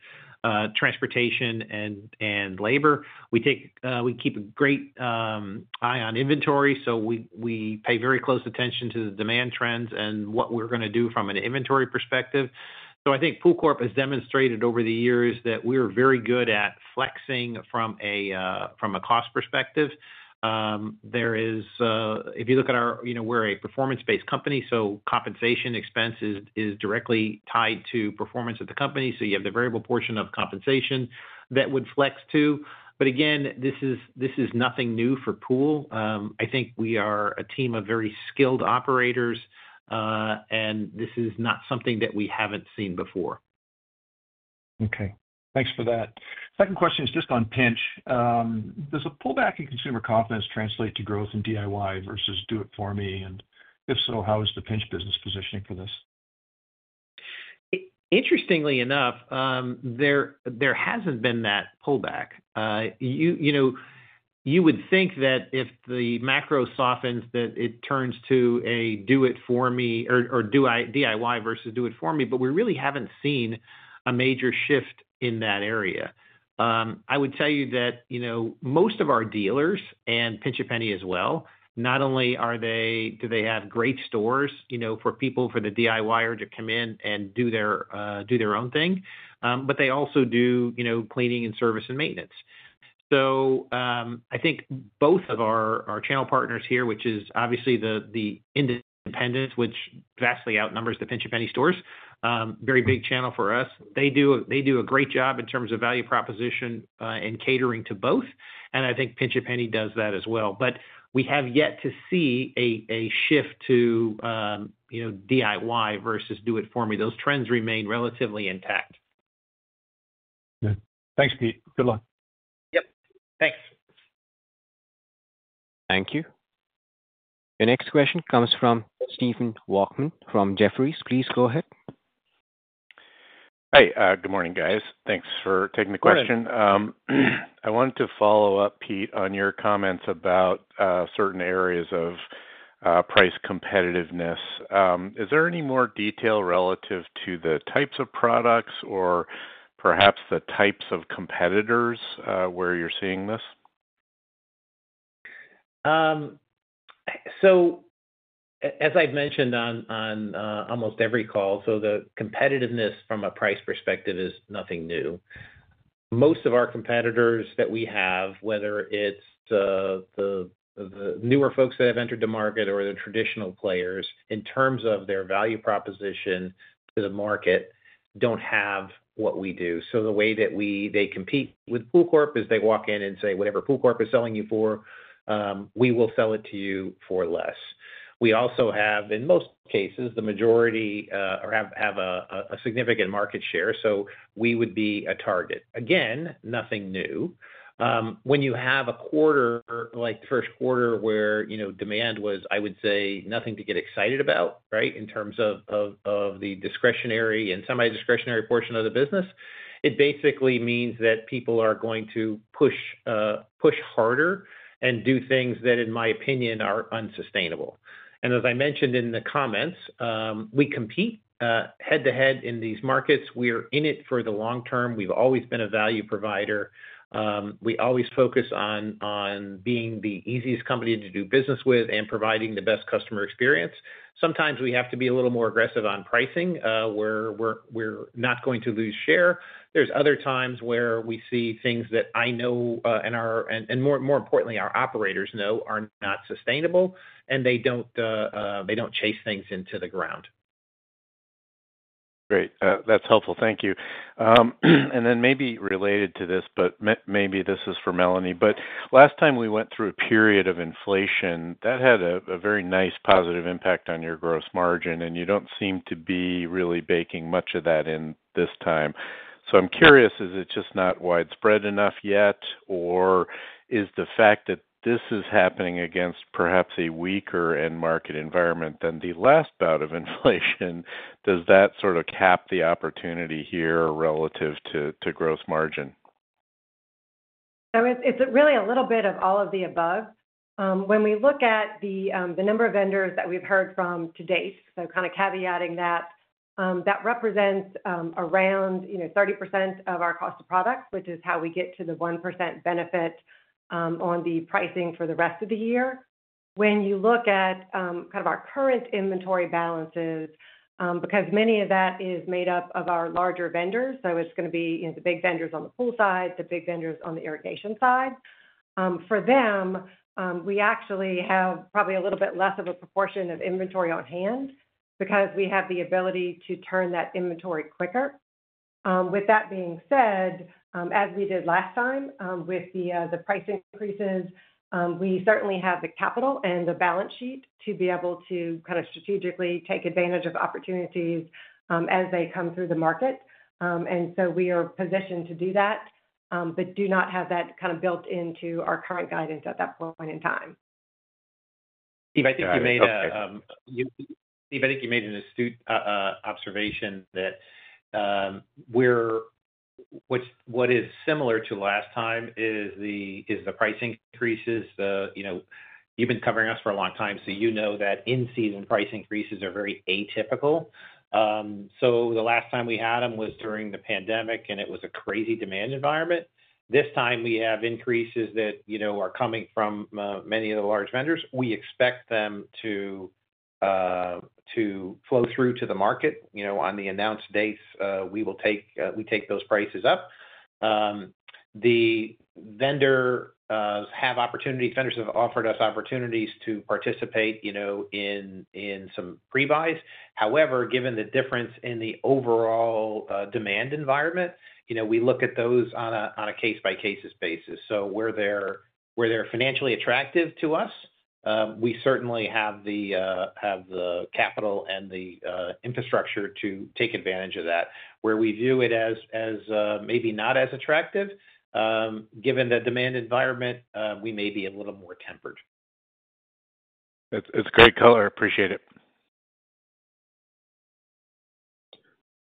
[SPEAKER 3] transportation and labor. We keep a great eye on inventory. We pay very close attention to the demand trends and what we are going to do from an inventory perspective. I think POOLCORP has demonstrated over the years that we are very good at flexing from a cost perspective. If you look at our, we are a performance-based company, so compensation expense is directly tied to performance of the company. You have the variable portion of compensation that would flex too. Again, this is nothing new for Pool. I think we are a team of very skilled operators, and this is not something that we have not seen before.
[SPEAKER 7] Okay. Thanks for that. Second question is just on Pinch. Does a pullback in consumer confidence translate to growth in DIY versus do-it-for-me? And if so, how is the Pinch business positioning for this?
[SPEAKER 3] Interestingly enough, there has not been that pullback. You would think that if the macro softens, that it turns to a do-it-for-me or DIY versus do-it-for-me, but we really have not seen a major shift in that area. I would tell you that most of our dealers and Pinch A Penny as well, not only do they have great stores for people, for the DIYer to come in and do their own thing, but they also do cleaning and service and maintenance. I think both of our channel partners here, which is obviously the independent, which vastly outnumbers the Pinch A Penny stores, very big channel for us. They do a great job in terms of value proposition and catering to both. I think Pinch A Penny does that as well. We have yet to see a shift to DIY versus do-it-for-me. Those trends remain relatively intact.
[SPEAKER 7] Okay. Thanks, Pete. Good luck.
[SPEAKER 3] Yep. Thanks.
[SPEAKER 1] Thank you. The next question comes from Stephen Volkmann from Jefferies. Please go ahead.
[SPEAKER 8] Hi. Good morning, guys. Thanks for taking the question. I wanted to follow up, Pete, on your comments about certain areas of price competitiveness. Is there any more detail relative to the types of products or perhaps the types of competitors where you're seeing this?
[SPEAKER 3] As I've mentioned on almost every call, the competitiveness from a price perspective is nothing new. Most of our competitors that we have, whether it's the newer folks that have entered the market or the traditional players, in terms of their value proposition to the market, don't have what we do. The way that they compete with POOLCORP is they walk in and say, "Whatever POOLCORP is selling you for, we will sell it to you for less." We also have, in most cases, the majority or have a significant market share. We would be a target. Again, nothing new. When you have a quarter like the first quarter where demand was, I would say, nothing to get excited about, right, in terms of the discretionary and semi-discretionary portion of the business, it basically means that people are going to push harder and do things that, in my opinion, are unsustainable. As I mentioned in the comments, we compete head-to-head in these markets. We are in it for the long term. We've always been a value provider. We always focus on being the easiest company to do business with and providing the best customer experience. Sometimes we have to be a little more aggressive on pricing where we're not going to lose share. There are other times where we see things that I know and, more importantly, our operators know are not sustainable, and they do not chase things into the ground.
[SPEAKER 8] Great. That's helpful. Thank you. Maybe related to this, but maybe this is for Melanie, but last time we went through a period of inflation, that had a very nice positive impact on your gross margin, and you do not seem to be really baking much of that in this time. I am curious, is it just not widespread enough yet, or is the fact that this is happening against perhaps a weaker end market environment than the last bout of inflation, does that sort of cap the opportunity here relative to gross margin?
[SPEAKER 2] It is really a little bit of all of the above. When we look at the number of vendors that we have heard from to date, kind of caveating that, that represents around 30% of our cost of product, which is how we get to the 1% benefit on the pricing for the rest of the year. When you look at kind of our current inventory balances, because many of that is made up of our larger vendors, so it is going to be the big vendors on the pool side, the big vendors on the irrigation side. For them, we actually have probably a little bit less of a proportion of inventory on hand because we have the ability to turn that inventory quicker. With that being said, as we did last time with the price increases, we certainly have the capital and the balance sheet to be able to kind of strategically take advantage of opportunities as they come through the market. We are positioned to do that but do not have that kind of built into our current guidance at that point in time.
[SPEAKER 3] Steve, I think you made an astute observation that what is similar to last time is the price increases. You've been covering us for a long time, so you know that in-season price increases are very atypical. The last time we had them was during the pandemic, and it was a crazy demand environment. This time, we have increases that are coming from many of the large vendors. We expect them to flow through to the market. On the announced dates, we take those prices up. The vendors have opportunities. Vendors have offered us opportunities to participate in some pre-buys. However, given the difference in the overall demand environment, we look at those on a case-by-case basis. Where they're financially attractive to us, we certainly have the capital and the infrastructure to take advantage of that. Where we view it as maybe not as attractive, given the demand environment, we may be a little more tempered.
[SPEAKER 8] It's great color. Appreciate it.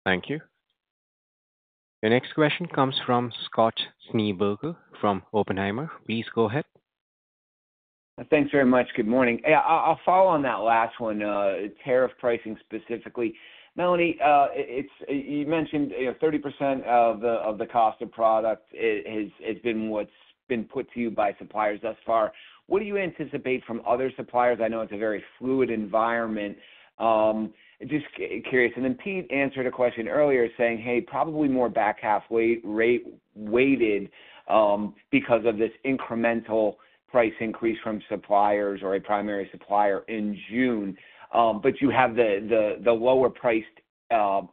[SPEAKER 1] Thank you. The next question comes from Scott Schneeberger from Oppenheimer. Please go ahead.
[SPEAKER 9] Thanks very much. Good morning. Yeah. I'll follow on that last one, tariff pricing specifically. Melanie, you mentioned 30% of the cost of product has been what's been put to you by suppliers thus far. What do you anticipate from other suppliers? I know it's a very fluid environment. Just curious. Pete answered a question earlier saying, "Hey, probably more back half weighted because of this incremental price increase from suppliers or a primary supplier in June." You have the lower-priced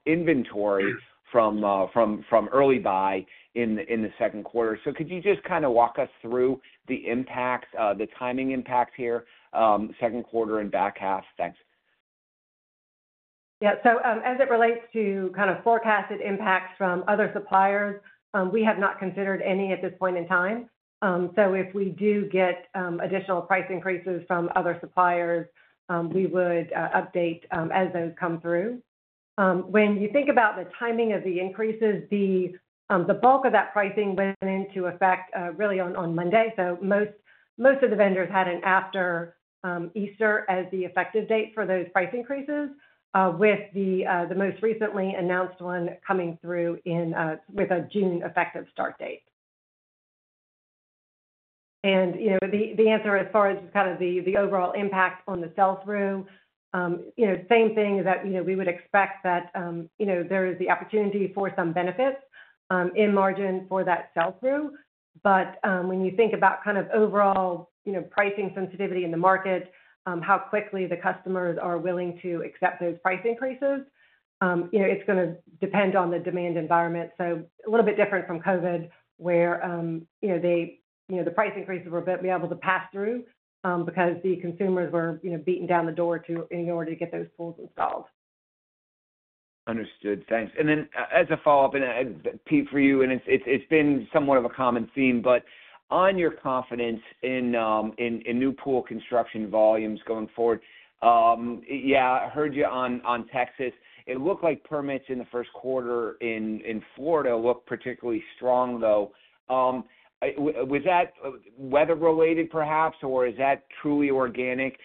[SPEAKER 9] inventory from early buy in the second quarter. Could you just kind of walk us through the timing impacts here, second quarter and back half? Thanks.
[SPEAKER 2] Yeah. As it relates to kind of forecasted impacts from other suppliers, we have not considered any at this point in time. If we do get additional price increases from other suppliers, we would update as those come through. When you think about the timing of the increases, the bulk of that pricing went into effect really on Monday. Most of the vendors had an after Easter as the effective date for those price increases, with the most recently announced one coming through with a June effective start date. The answer as far as kind of the overall impact on the sales through, same thing is that we would expect that there is the opportunity for some benefits in margin for that sales through. When you think about kind of overall pricing sensitivity in the market, how quickly the customers are willing to accept those price increases, it's going to depend on the demand environment. A little bit different from COVID where the price increases were able to pass through because the consumers were beaten down the door in order to get those pools installed.
[SPEAKER 9] Understood. Thanks. As a follow-up, and Pete, for you, and it's been somewhat of a common theme, on your confidence in new pool construction volumes going forward, yeah, I heard you on Texas. It looked like permits in the first quarter in Florida looked particularly strong, though. Was that weather-related perhaps, or is that truly organic?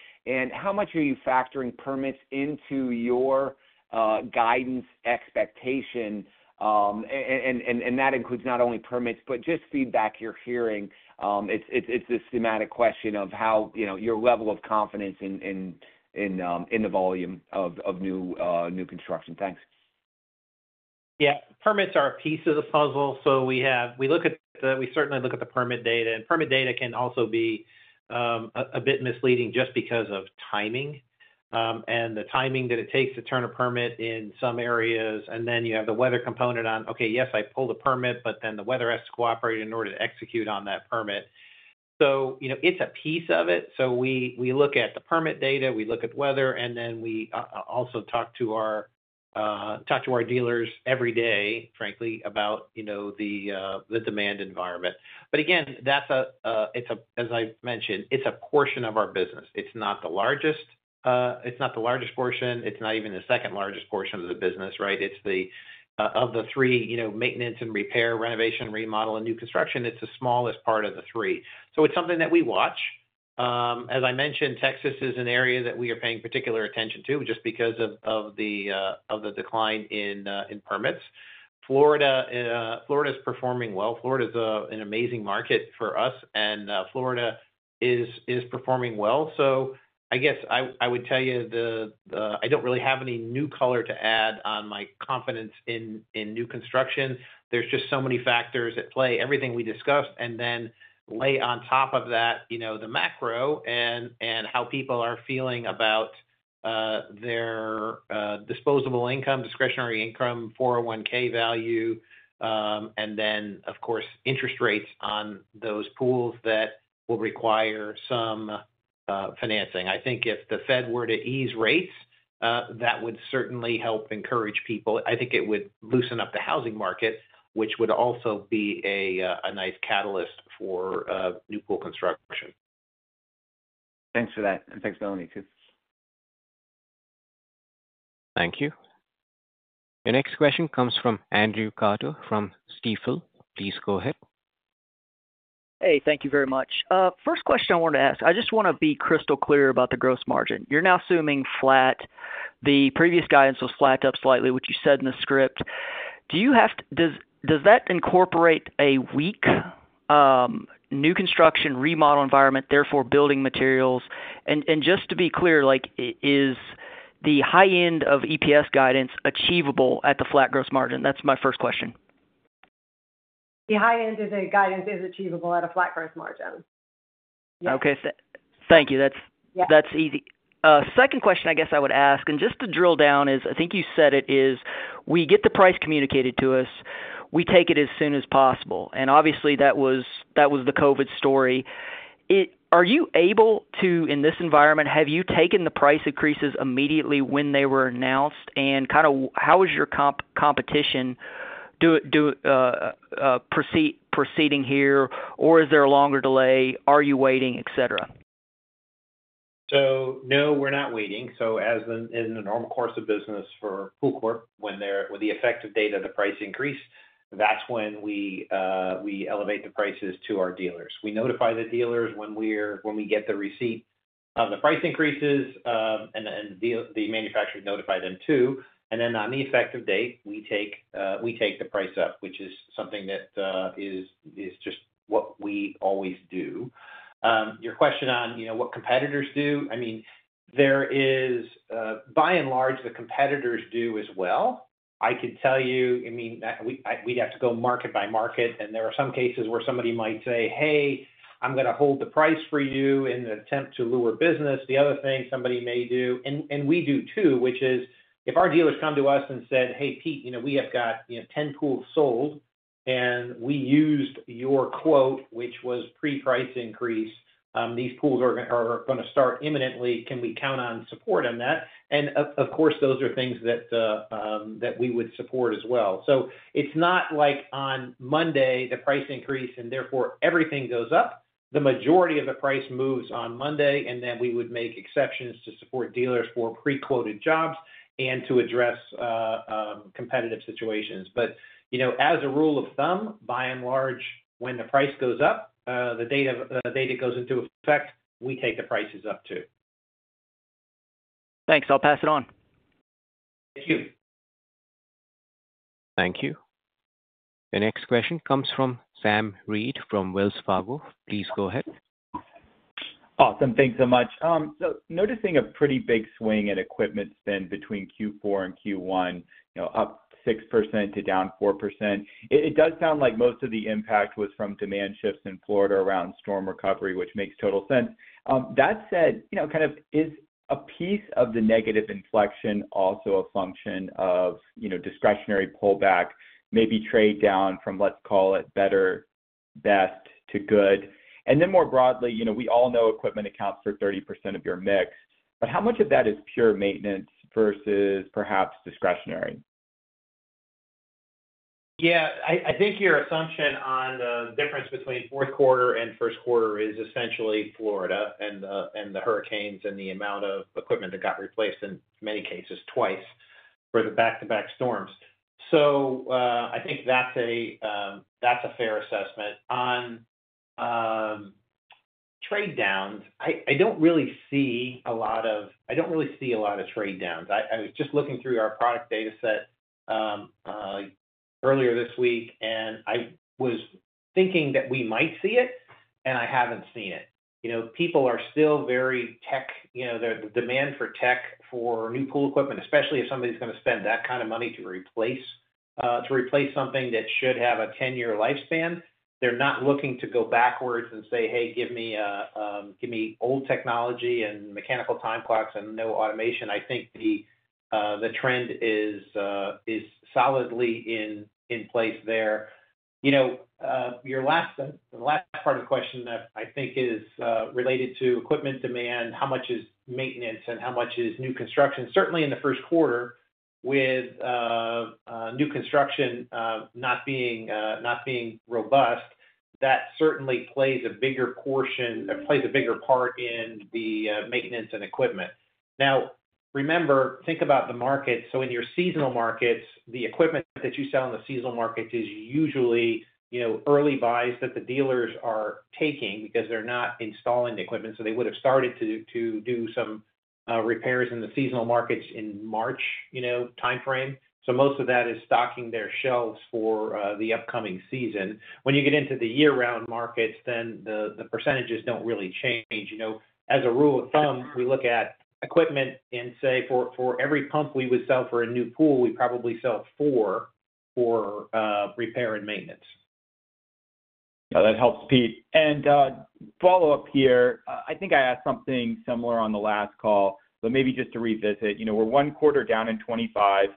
[SPEAKER 9] How much are you factoring permits into your guidance expectation? That includes not only permits, but just feedback you're hearing. It's this thematic question of how your level of confidence in the volume of new construction. Thanks.
[SPEAKER 3] Yeah. Permits are a piece of the puzzle. We certainly look at the permit data. Permit data can also be a bit misleading just because of timing and the timing that it takes to turn a permit in some areas. You have the weather component on, "Okay, yes, I pulled a permit, but then the weather has to cooperate in order to execute on that permit." It's a piece of it. We look at the permit data, we look at the weather, and we also talk to our dealers every day, frankly, about the demand environment. Again, as I mentioned, it's a portion of our business. It's not the largest—it's not the largest portion. It's not even the second largest portion of the business, right? It's the—of the three: maintenance and repair, renovation, remodel, and new construction. It's the smallest part of the three. It's something that we watch. As I mentioned, Texas is an area that we are paying particular attention to just because of the decline in permits. Florida is performing well. Florida is an amazing market for us, and Florida is performing well. I guess I would tell you I don't really have any new color to add on my confidence in new construction. There's just so many factors at play. Everything we discussed, and then lay on top of that the macro and how people are feeling about their disposable income, discretionary income, 401(k) value, and then, of course, interest rates on those pools that will require some financing. I think if the Fed were to ease rates, that would certainly help encourage people. I think it would loosen up the housing market, which would also be a nice catalyst for new pool construction.
[SPEAKER 9] Thanks for that. Thanks, Melanie, too.
[SPEAKER 1] Thank you. The next question comes from Andrew Carter from Stifel. Please go ahead.
[SPEAKER 10] Hey, thank you very much. First question I wanted to ask. I just want to be crystal clear about the gross margin. You're now assuming flat. The previous guidance was flat up slightly, which you said in the script. Does that incorporate a weak new construction remodel environment, therefore building materials? Just to be clear, is the high end of EPS guidance achievable at the flat gross margin? That's my first question.
[SPEAKER 2] The high end of the guidance is achievable at a flat gross margin. Yes.
[SPEAKER 10] Okay. Thank you. That's easy. Second question I guess I would ask, and just to drill down is, I think you said it is, "We get the price communicated to us. We take it as soon as possible." Obviously, that was the COVID story. Are you able to, in this environment, have you taken the price increases immediately when they were announced? Kind of how is your competition proceeding here, or is there a longer delay? Are you waiting, etc.?
[SPEAKER 3] No, we're not waiting. As in the normal course of business for POOLCORP, when the effective date of the price increase, that's when we elevate the prices to our dealers. We notify the dealers when we get the receipt of the price increases, and the manufacturers notify them too. On the effective date, we take the price up, which is something that is just what we always do. Your question on what competitors do, I mean, by and large, the competitors do as well. I could tell you, I mean, we'd have to go market by market, and there are some cases where somebody might say, "Hey, I'm going to hold the price for you in an attempt to lure business." The other thing somebody may do, and we do too, which is if our dealers come to us and said, "Hey, Pete, we have got 10 pools sold, and we used your quote, which was pre-price increase. These pools are going to start imminently. Can we count on support on that?" Of course, those are things that we would support as well. It is not like on Monday, the price increase, and therefore everything goes up. The majority of the price moves on Monday, and then we would make exceptions to support dealers for pre-quoted jobs and to address competitive situations. As a rule of thumb, by and large, when the price goes up, the date goes into effect, we take the prices up too.
[SPEAKER 10] Thanks. I'll pass it on.
[SPEAKER 3] Thank you.
[SPEAKER 1] Thank you. The next question comes from Sam Reid from Wells Fargo. Please go ahead.
[SPEAKER 11] Awesome. Thanks so much. Noticing a pretty big swing in equipment spend between Q4 and Q1, up 6% to down 4%. It does sound like most of the impact was from demand shifts in Florida around storm recovery, which makes total sense. That said, is a piece of the negative inflection also a function of discretionary pullback, maybe trade down from, let's call it, better, best to good? More broadly, we all know equipment accounts for 30% of your mix. How much of that is pure maintenance versus perhaps discretionary?
[SPEAKER 3] Yeah. I think your assumption on the difference between fourth quarter and first quarter is essentially Florida and the hurricanes and the amount of equipment that got replaced in many cases twice for the back-to-back storms. I think that's a fair assessment. On trade downs, I don't really see a lot of—I don't really see a lot of trade downs. I was just looking through our product dataset earlier this week, and I was thinking that we might see it, and I haven't seen it. People are still very tech—the demand for tech for new pool equipment, especially if somebody's going to spend that kind of money to replace something that should have a 10-year lifespan, they're not looking to go backwards and say, "Hey, give me old technology and mechanical time clocks and no automation." I think the trend is solidly in place there. Your last part of the question that I think is related to equipment demand, how much is maintenance and how much is new construction? Certainly in the first quarter, with new construction not being robust, that certainly plays a bigger portion—it plays a bigger part in the maintenance and equipment. Now, remember, think about the market. In your seasonal markets, the equipment that you sell in the seasonal markets is usually early buys that the dealers are taking because they're not installing the equipment. They would have started to do some repairs in the seasonal markets in March timeframe. Most of that is stocking their shelves for the upcoming season. When you get into the year-round markets, the percentages do not really change. As a rule of thumb, we look at equipment and say, for every pump we would sell for a new pool, we probably sell four for repair and maintenance.
[SPEAKER 11] Yeah. That helps, Pete. Follow-up here. I think I asked something similar on the last call, but maybe just to revisit. We are one quarter down in 2025.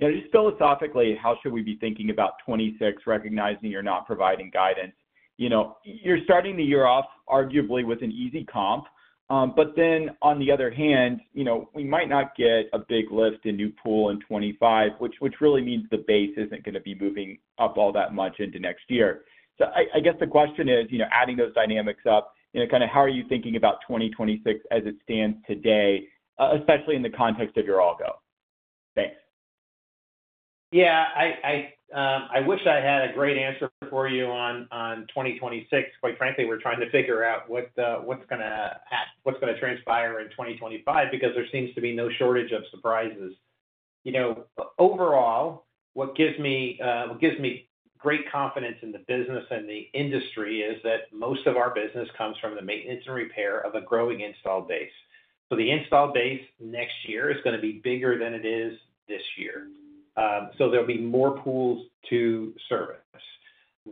[SPEAKER 11] Just philosophically, how should we be thinking about 2026, recognizing you are not providing guidance? You are starting the year off arguably with an easy comp. But then on the other hand, we might not get a big lift in new pool in 2025, which really means the base is not going to be moving up all that much into next year. I guess the question is, adding those dynamics up, kind of how are you thinking about 2026 as it stands today, especially in the context of your algo? Thanks.
[SPEAKER 3] Yeah. I wish I had a great answer for you on 2026. Quite frankly, we are trying to figure out what is going to transpire in 2025 because there seems to be no shortage of surprises. Overall, what gives me great confidence in the business and the industry is that most of our business comes from the maintenance and repair of a growing install base. The install base next year is going to be bigger than it is this year. There will be more pools to service.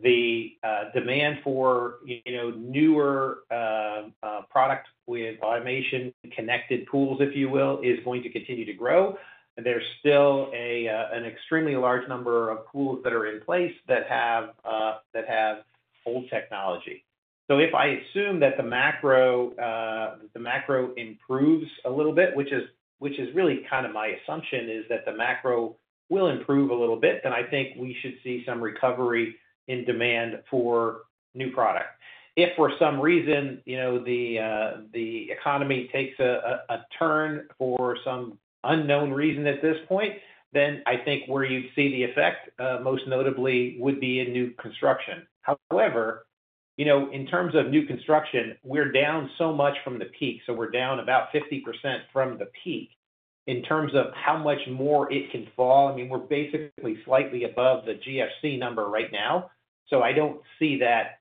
[SPEAKER 3] The demand for newer product with automation connected pools, if you will, is going to continue to grow. There is still an extremely large number of pools that are in place that have old technology. If I assume that the macro improves a little bit, which is really kind of my assumption, that the macro will improve a little bit, then I think we should see some recovery in demand for new product. If for some reason the economy takes a turn for some unknown reason at this point, then I think where you would see the effect most notably would be in new construction. However, in terms of new construction, we are down so much from the peak. We are down about 50% from the peak in terms of how much more it can fall. I mean, we're basically slightly above the GFC number right now. I don't see that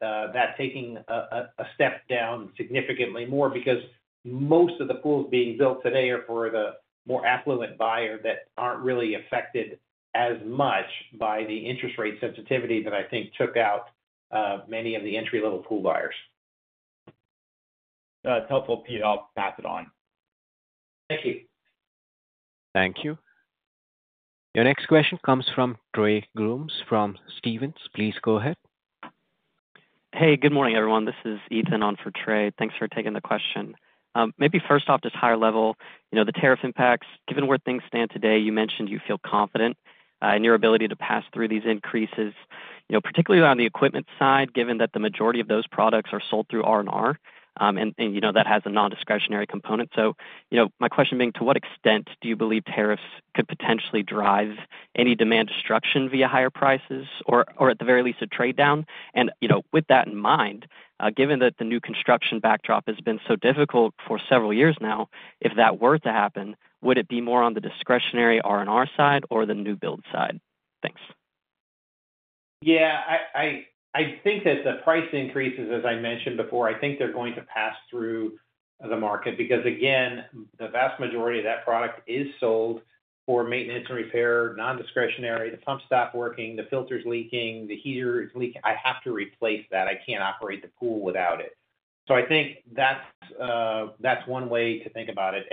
[SPEAKER 3] taking a step down significantly more because most of the pools being built today are for the more affluent buyer that aren't really affected as much by the interest rate sensitivity that I think took out many of the entry-level pool buyers.
[SPEAKER 11] That's helpful, Pete. I'll pass it on.
[SPEAKER 3] Thank you.
[SPEAKER 1] Thank you. Your next question comes from Trey Grooms from Stephens. Please go ahead.
[SPEAKER 12] Hey, good morning, everyone. This is Ethan on for Trey. Thanks for taking the question. Maybe first off, just higher level, the tariff impacts. Given where things stand today, you mentioned you feel confident in your ability to pass through these increases, particularly on the equipment side, given that the majority of those products are sold through R&R, and that has a non-discretionary component. My question being, to what extent do you believe tariffs could potentially drive any demand destruction via higher prices or, at the very least, a trade down? With that in mind, given that the new construction backdrop has been so difficult for several years now, if that were to happen, would it be more on the discretionary R&R side or the new build side? Thanks.
[SPEAKER 3] Yeah. I think that the price increases, as I mentioned before, I think they're going to pass through the market because, again, the vast majority of that product is sold for maintenance and repair, non-discretionary. The pump stopped working, the filter's leaking, the heater is leaking. I have to replace that. I can't operate the pool without it. I think that's one way to think about it.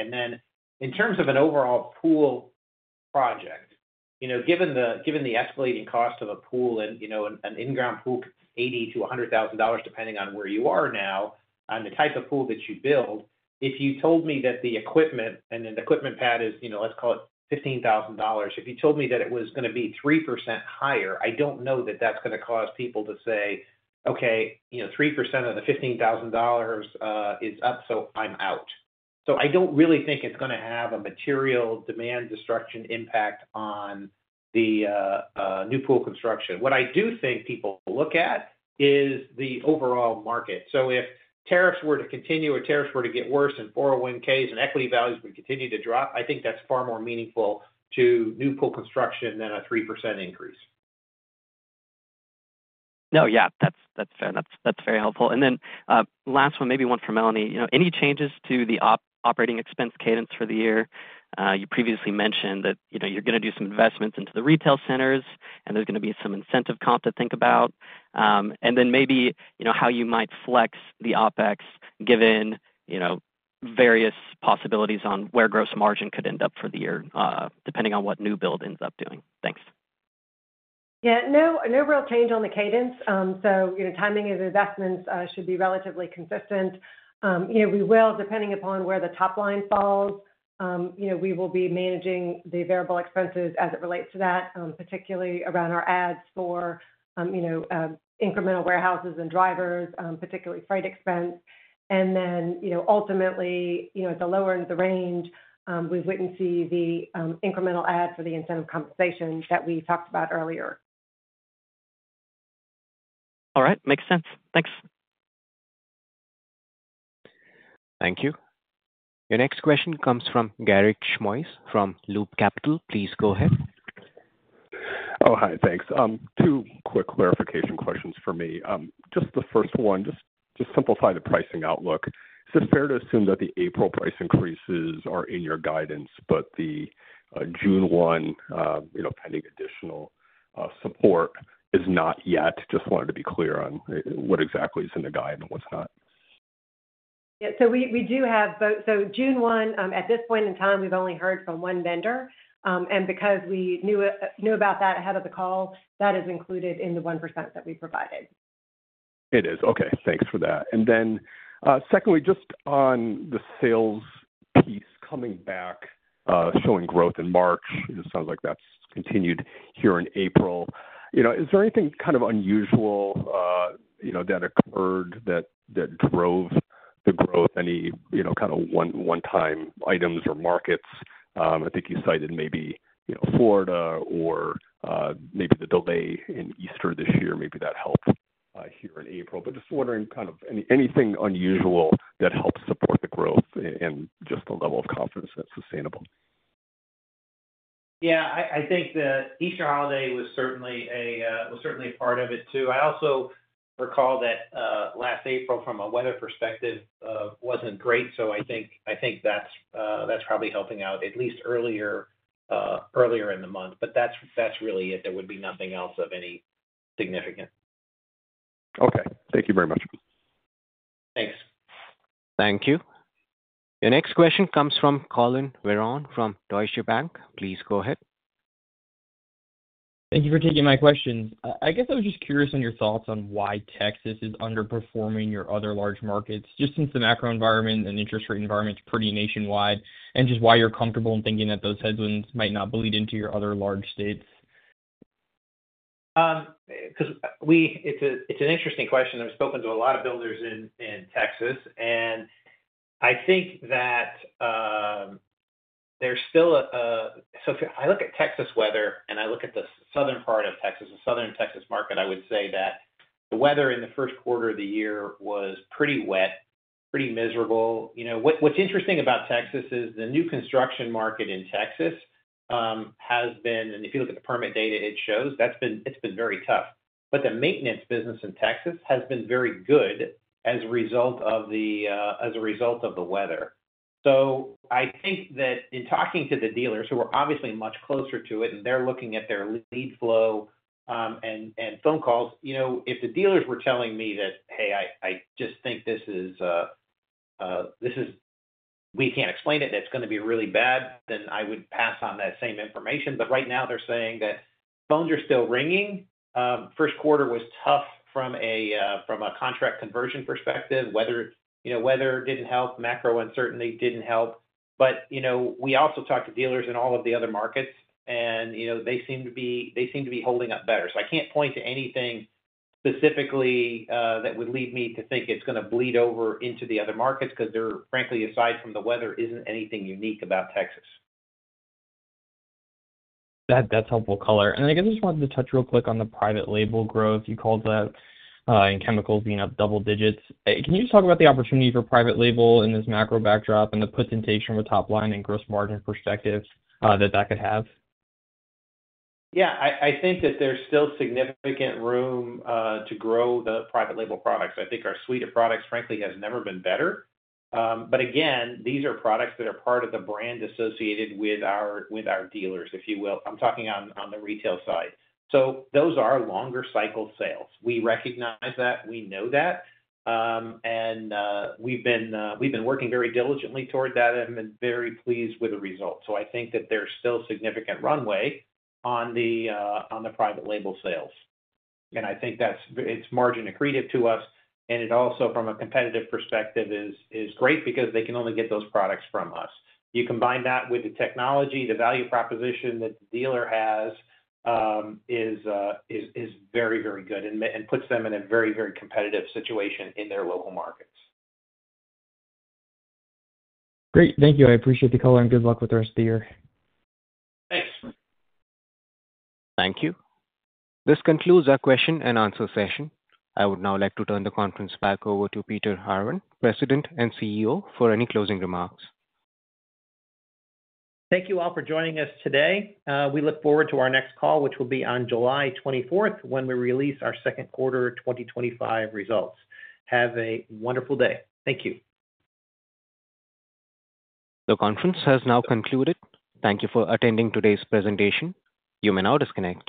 [SPEAKER 3] In terms of an overall pool project, given the escalating cost of a pool and an in-ground pool, it's $80,000-$100,000 depending on where you are now on the type of pool that you build. If you told me that the equipment and an equipment pad is, let's call it $15,000, if you told me that it was going to be 3% higher, I don't know that that's going to cause people to say, "Okay, 3% of the $15,000 is up, so I'm out." I don't really think it's going to have a material demand destruction impact on the new pool construction. What I do think people look at is the overall market. If tariffs were to continue or tariffs were to get worse and 401(k)s and equity values would continue to drop, I think that's far more meaningful to new pool construction than a 3% increase.
[SPEAKER 12] No, yeah, that's fair. That's very helpful. Last one, maybe one for Melanie. Any changes to the operating expense cadence for the year? You previously mentioned that you're going to do some investments into the retail centers, and there's going to be some incentive comp to think about. Maybe how you might flex the OPEX given various possibilities on where gross margin could end up for the year depending on what new build ends up doing. Thanks.
[SPEAKER 2] Yeah. No real change on the cadence. Timing of investments should be relatively consistent. We will, depending upon where the top line falls, be managing the variable expenses as it relates to that, particularly around our ads for incremental warehouses and drivers, particularly freight expense. Ultimately, at the lower end of the range, we would not see the incremental ad for the incentive compensation that we talked about earlier.
[SPEAKER 12] All right. Makes sense. Thanks.
[SPEAKER 1] Thank you. Your next question comes from Garik Shmois from Loop Capital. Please go ahead.
[SPEAKER 13] Oh, hi. Thanks. Two quick clarification questions for me. Just the first one, just to simplify the pricing outlook. Is it fair to assume that the April price increases are in your guidance, but the June 1, pending additional support, is not yet? Just wanted to be clear on what exactly is in the guide and what is not.
[SPEAKER 2] Yeah. We do have both. June 1, at this point in time, we've only heard from one vendor. Because we knew about that ahead of the call, that is included in the 1% that we provided.
[SPEAKER 13] It is. Okay. Thanks for that. Secondly, just on the sales piece, coming back, showing growth in March, it sounds like that's continued here in April. Is there anything kind of unusual that occurred that drove the growth? Any kind of one-time items or markets? I think you cited maybe Florida or maybe the delay in Easter this year. Maybe that helped here in April. Just wondering kind of anything unusual that helps support the growth and just the level of confidence that's sustainable.
[SPEAKER 3] Yeah. I think the Easter holiday was certainly a part of it too. I also recall that last April, from a weather perspective, wasn't great. I think that's probably helping out, at least earlier in the month. That's really it. There would be nothing else of any significance.
[SPEAKER 13] Okay. Thank you very much.
[SPEAKER 3] Thanks.
[SPEAKER 1] Thank you. Your next question comes from Collin Verron from Deutsche Bank. Please go ahead.
[SPEAKER 14] Thank you for taking my question. I guess I was just curious on your thoughts on why Texas is underperforming your other large markets, just since the macro environment and interest rate environment's pretty nationwide, and just why you're comfortable in thinking that those headwinds might not bleed into your other large states.
[SPEAKER 3] It's an interesting question. I've spoken to a lot of builders in Texas. I think that there's still a—so I look at Texas weather, and I look at the southern part of Texas, the southern Texas market, I would say that the weather in the first quarter of the year was pretty wet, pretty miserable. What's interesting about Texas is the new construction market in Texas has been—and if you look at the permit data, it shows that it's been very tough. The maintenance business in Texas has been very good as a result of the—as a result of the weather. I think that in talking to the dealers who are obviously much closer to it, and they're looking at their lead flow and phone calls, if the dealers were telling me that, "Hey, I just think this is—we can't explain it, it's going to be really bad," then I would pass on that same information. Right now, they're saying that phones are still ringing. First quarter was tough from a contract conversion perspective. Weather did not help. Macro uncertainty did not help. We also talked to dealers in all of the other markets, and they seem to be holding up better. I cannot point to anything specifically that would lead me to think it is going to bleed over into the other markets because, frankly, aside from the weather, there is not anything unique about Texas.
[SPEAKER 14] That is helpful color. I just wanted to touch real quick on the private label growth you called that, and chemicals being up double digits. Can you just talk about the opportunity for private label in this macro backdrop and the potential with top line and gross margin perspective that that could have?
[SPEAKER 3] Yeah. I think that there's still significant room to grow the private label products. I think our suite of products, frankly, has never been better. These are products that are part of the brand associated with our dealers, if you will. I'm talking on the retail side. Those are longer cycle sales. We recognize that. We know that. We've been working very diligently toward that and been very pleased with the results. I think that there's still significant runway on the private label sales. I think it's margin accretive to us. It also, from a competitive perspective, is great because they can only get those products from us. You combine that with the technology, the value proposition that the dealer has is very, very good and puts them in a very, very competitive situation in their local markets.
[SPEAKER 14] Great. Thank you. I appreciate the color and good luck with the rest of the year.
[SPEAKER 3] Thanks.
[SPEAKER 1] Thank you. This concludes our Q&A session. I would now like to turn the conference back over to Peter Arvan, President and CEO, for any closing remarks.
[SPEAKER 3] Thank you all for joining us today. We look forward to our next call, which will be on July 24th when we release our second quarter 2025 results. Have a wonderful day. Thank you.
[SPEAKER 1] The conference has now concluded. Thank you for attending today's presentation. You may now disconnect.